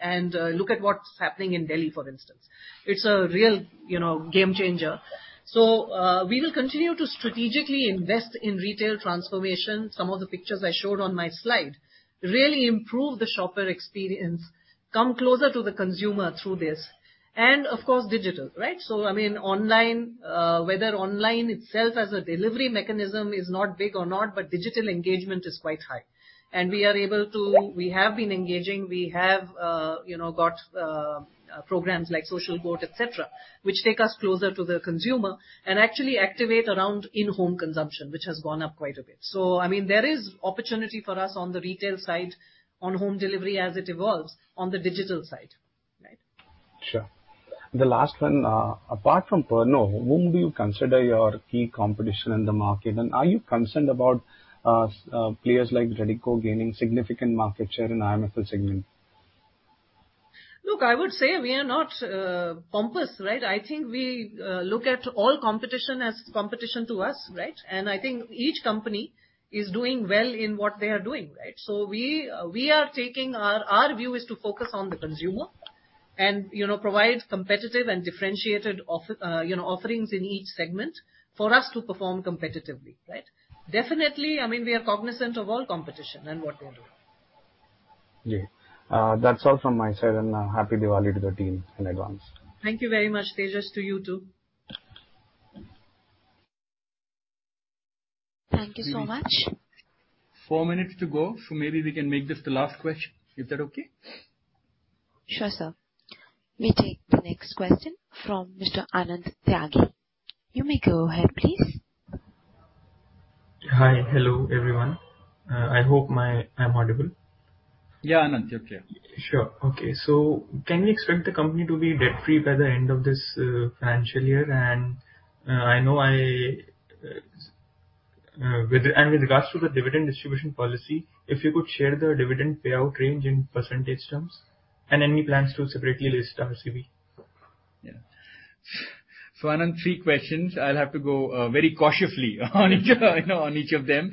Look at what's happening in Delhi, for instance. It's a real you know game changer. We will continue to strategically invest in retail transformation. Some of the pictures I showed on my slide really improve the shopper experience, come closer to the consumer through this, and of course, digital, right? I mean, online, whether online itself as a delivery mechanism is not big or not, but digital engagement is quite high. We have been engaging. We have you know got programs like Social GOAT, et cetera, which take us closer to the consumer and actually activate around in-home consumption, which has gone up quite a bit. I mean, there is opportunity for us on the retail side, on home delivery as it evolves on the digital side, right? Sure. The last one, apart from Pernod, whom do you consider your key competition in the market? And are you concerned about players like Radico gaining significant market share in IMFL segment? Look, I would say we are not pompous, right? I think we look at all competition as competition to us, right? I think each company is doing well in what they are doing, right? Our view is to focus on the consumer and, you know, provide competitive and differentiated offerings in each segment for us to perform competitively, right? Definitely, I mean, we are cognizant of all competition and what they're doing. Yeah. That's all from my side, and happy Diwali to the team in advance. Thank you very much, Tejas. To you too. Thank you so much. Four minutes to go, so maybe we can make this the last question. Is that okay? Sure, sir. We take the next question from Mr. Anand Tyagi. You may go ahead, please. Hi. Hello, everyone. I hope I'm audible. Yeah, Anand. You're clear. Can we expect the company to be debt-free by the end of this financial year? With regards to the dividend distribution policy, if you could share the dividend payout range in percentage terms, and any plans to separately list RCB. Anand, three questions. I'll have to go very cautiously on each, you know, on each of them.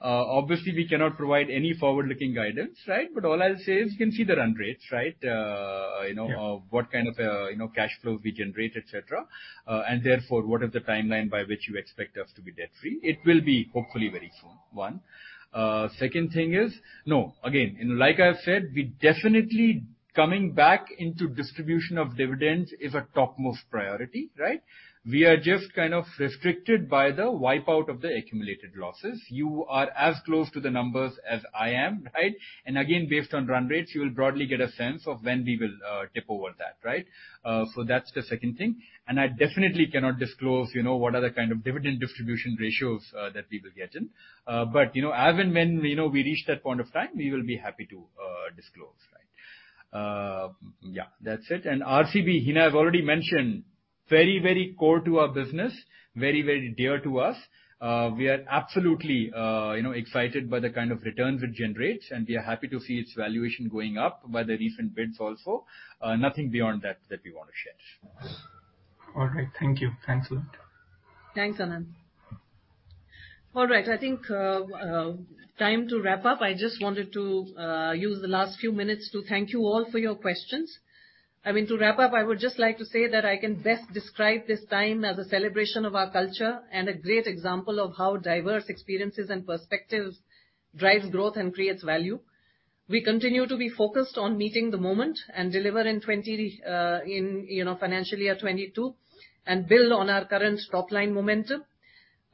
Obviously we cannot provide any forward-looking guidance, right? But all I'll say is you can see the run rates, right? Yes. What kind of, you know, cash flows we generate, et cetera. Therefore, what is the timeline by which you expect us to be debt-free. It will be hopefully very soon. One. Second thing is. No, again, you know, like I said, we definitely coming back into distribution of dividends is a topmost priority, right? We are just kind of restricted by the wipeout of the accumulated losses. You are as close to the numbers as I am, right? And again, based on run rates, you will broadly get a sense of when we will, tip over that, right? So that's the second thing. And I definitely cannot disclose, you know, what are the kind of dividend distribution ratios, that we will get in. You know, as and when, you know, we reach that point of time, we will be happy to disclose, right? Yeah. That's it. RCB, Hina have already mentioned, very, very core to our business, very, very dear to us. We are absolutely, you know, excited by the kind of returns it generates, and we are happy to see its valuation going up by the recent bids also. Nothing beyond that that we wanna share. All right. Thank you. Thanks a lot. Thanks, Anand. All right. I think time to wrap up. I just wanted to use the last few minutes to thank you all for your questions. I mean, to wrap up, I would just like to say that I can best describe this time as a celebration of our culture and a great example of how diverse experiences and perspectives drives growth and creates value. We continue to be focused on meeting the moment and deliver in, you know, financial year 2022, and build on our current top-line momentum.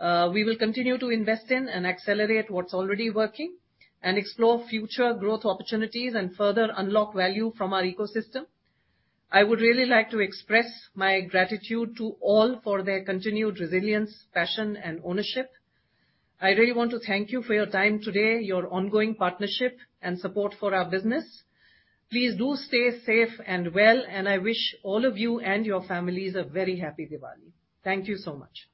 We will continue to invest in and accelerate what's already working and explore future growth opportunities and further unlock value from our ecosystem. I would really like to express my gratitude to all for their continued resilience, passion and ownership. I really want to thank you for your time today, your ongoing partnership and support for our business. Please do stay safe and well, and I wish all of you and your families a very Happy Diwali. Thank you so much.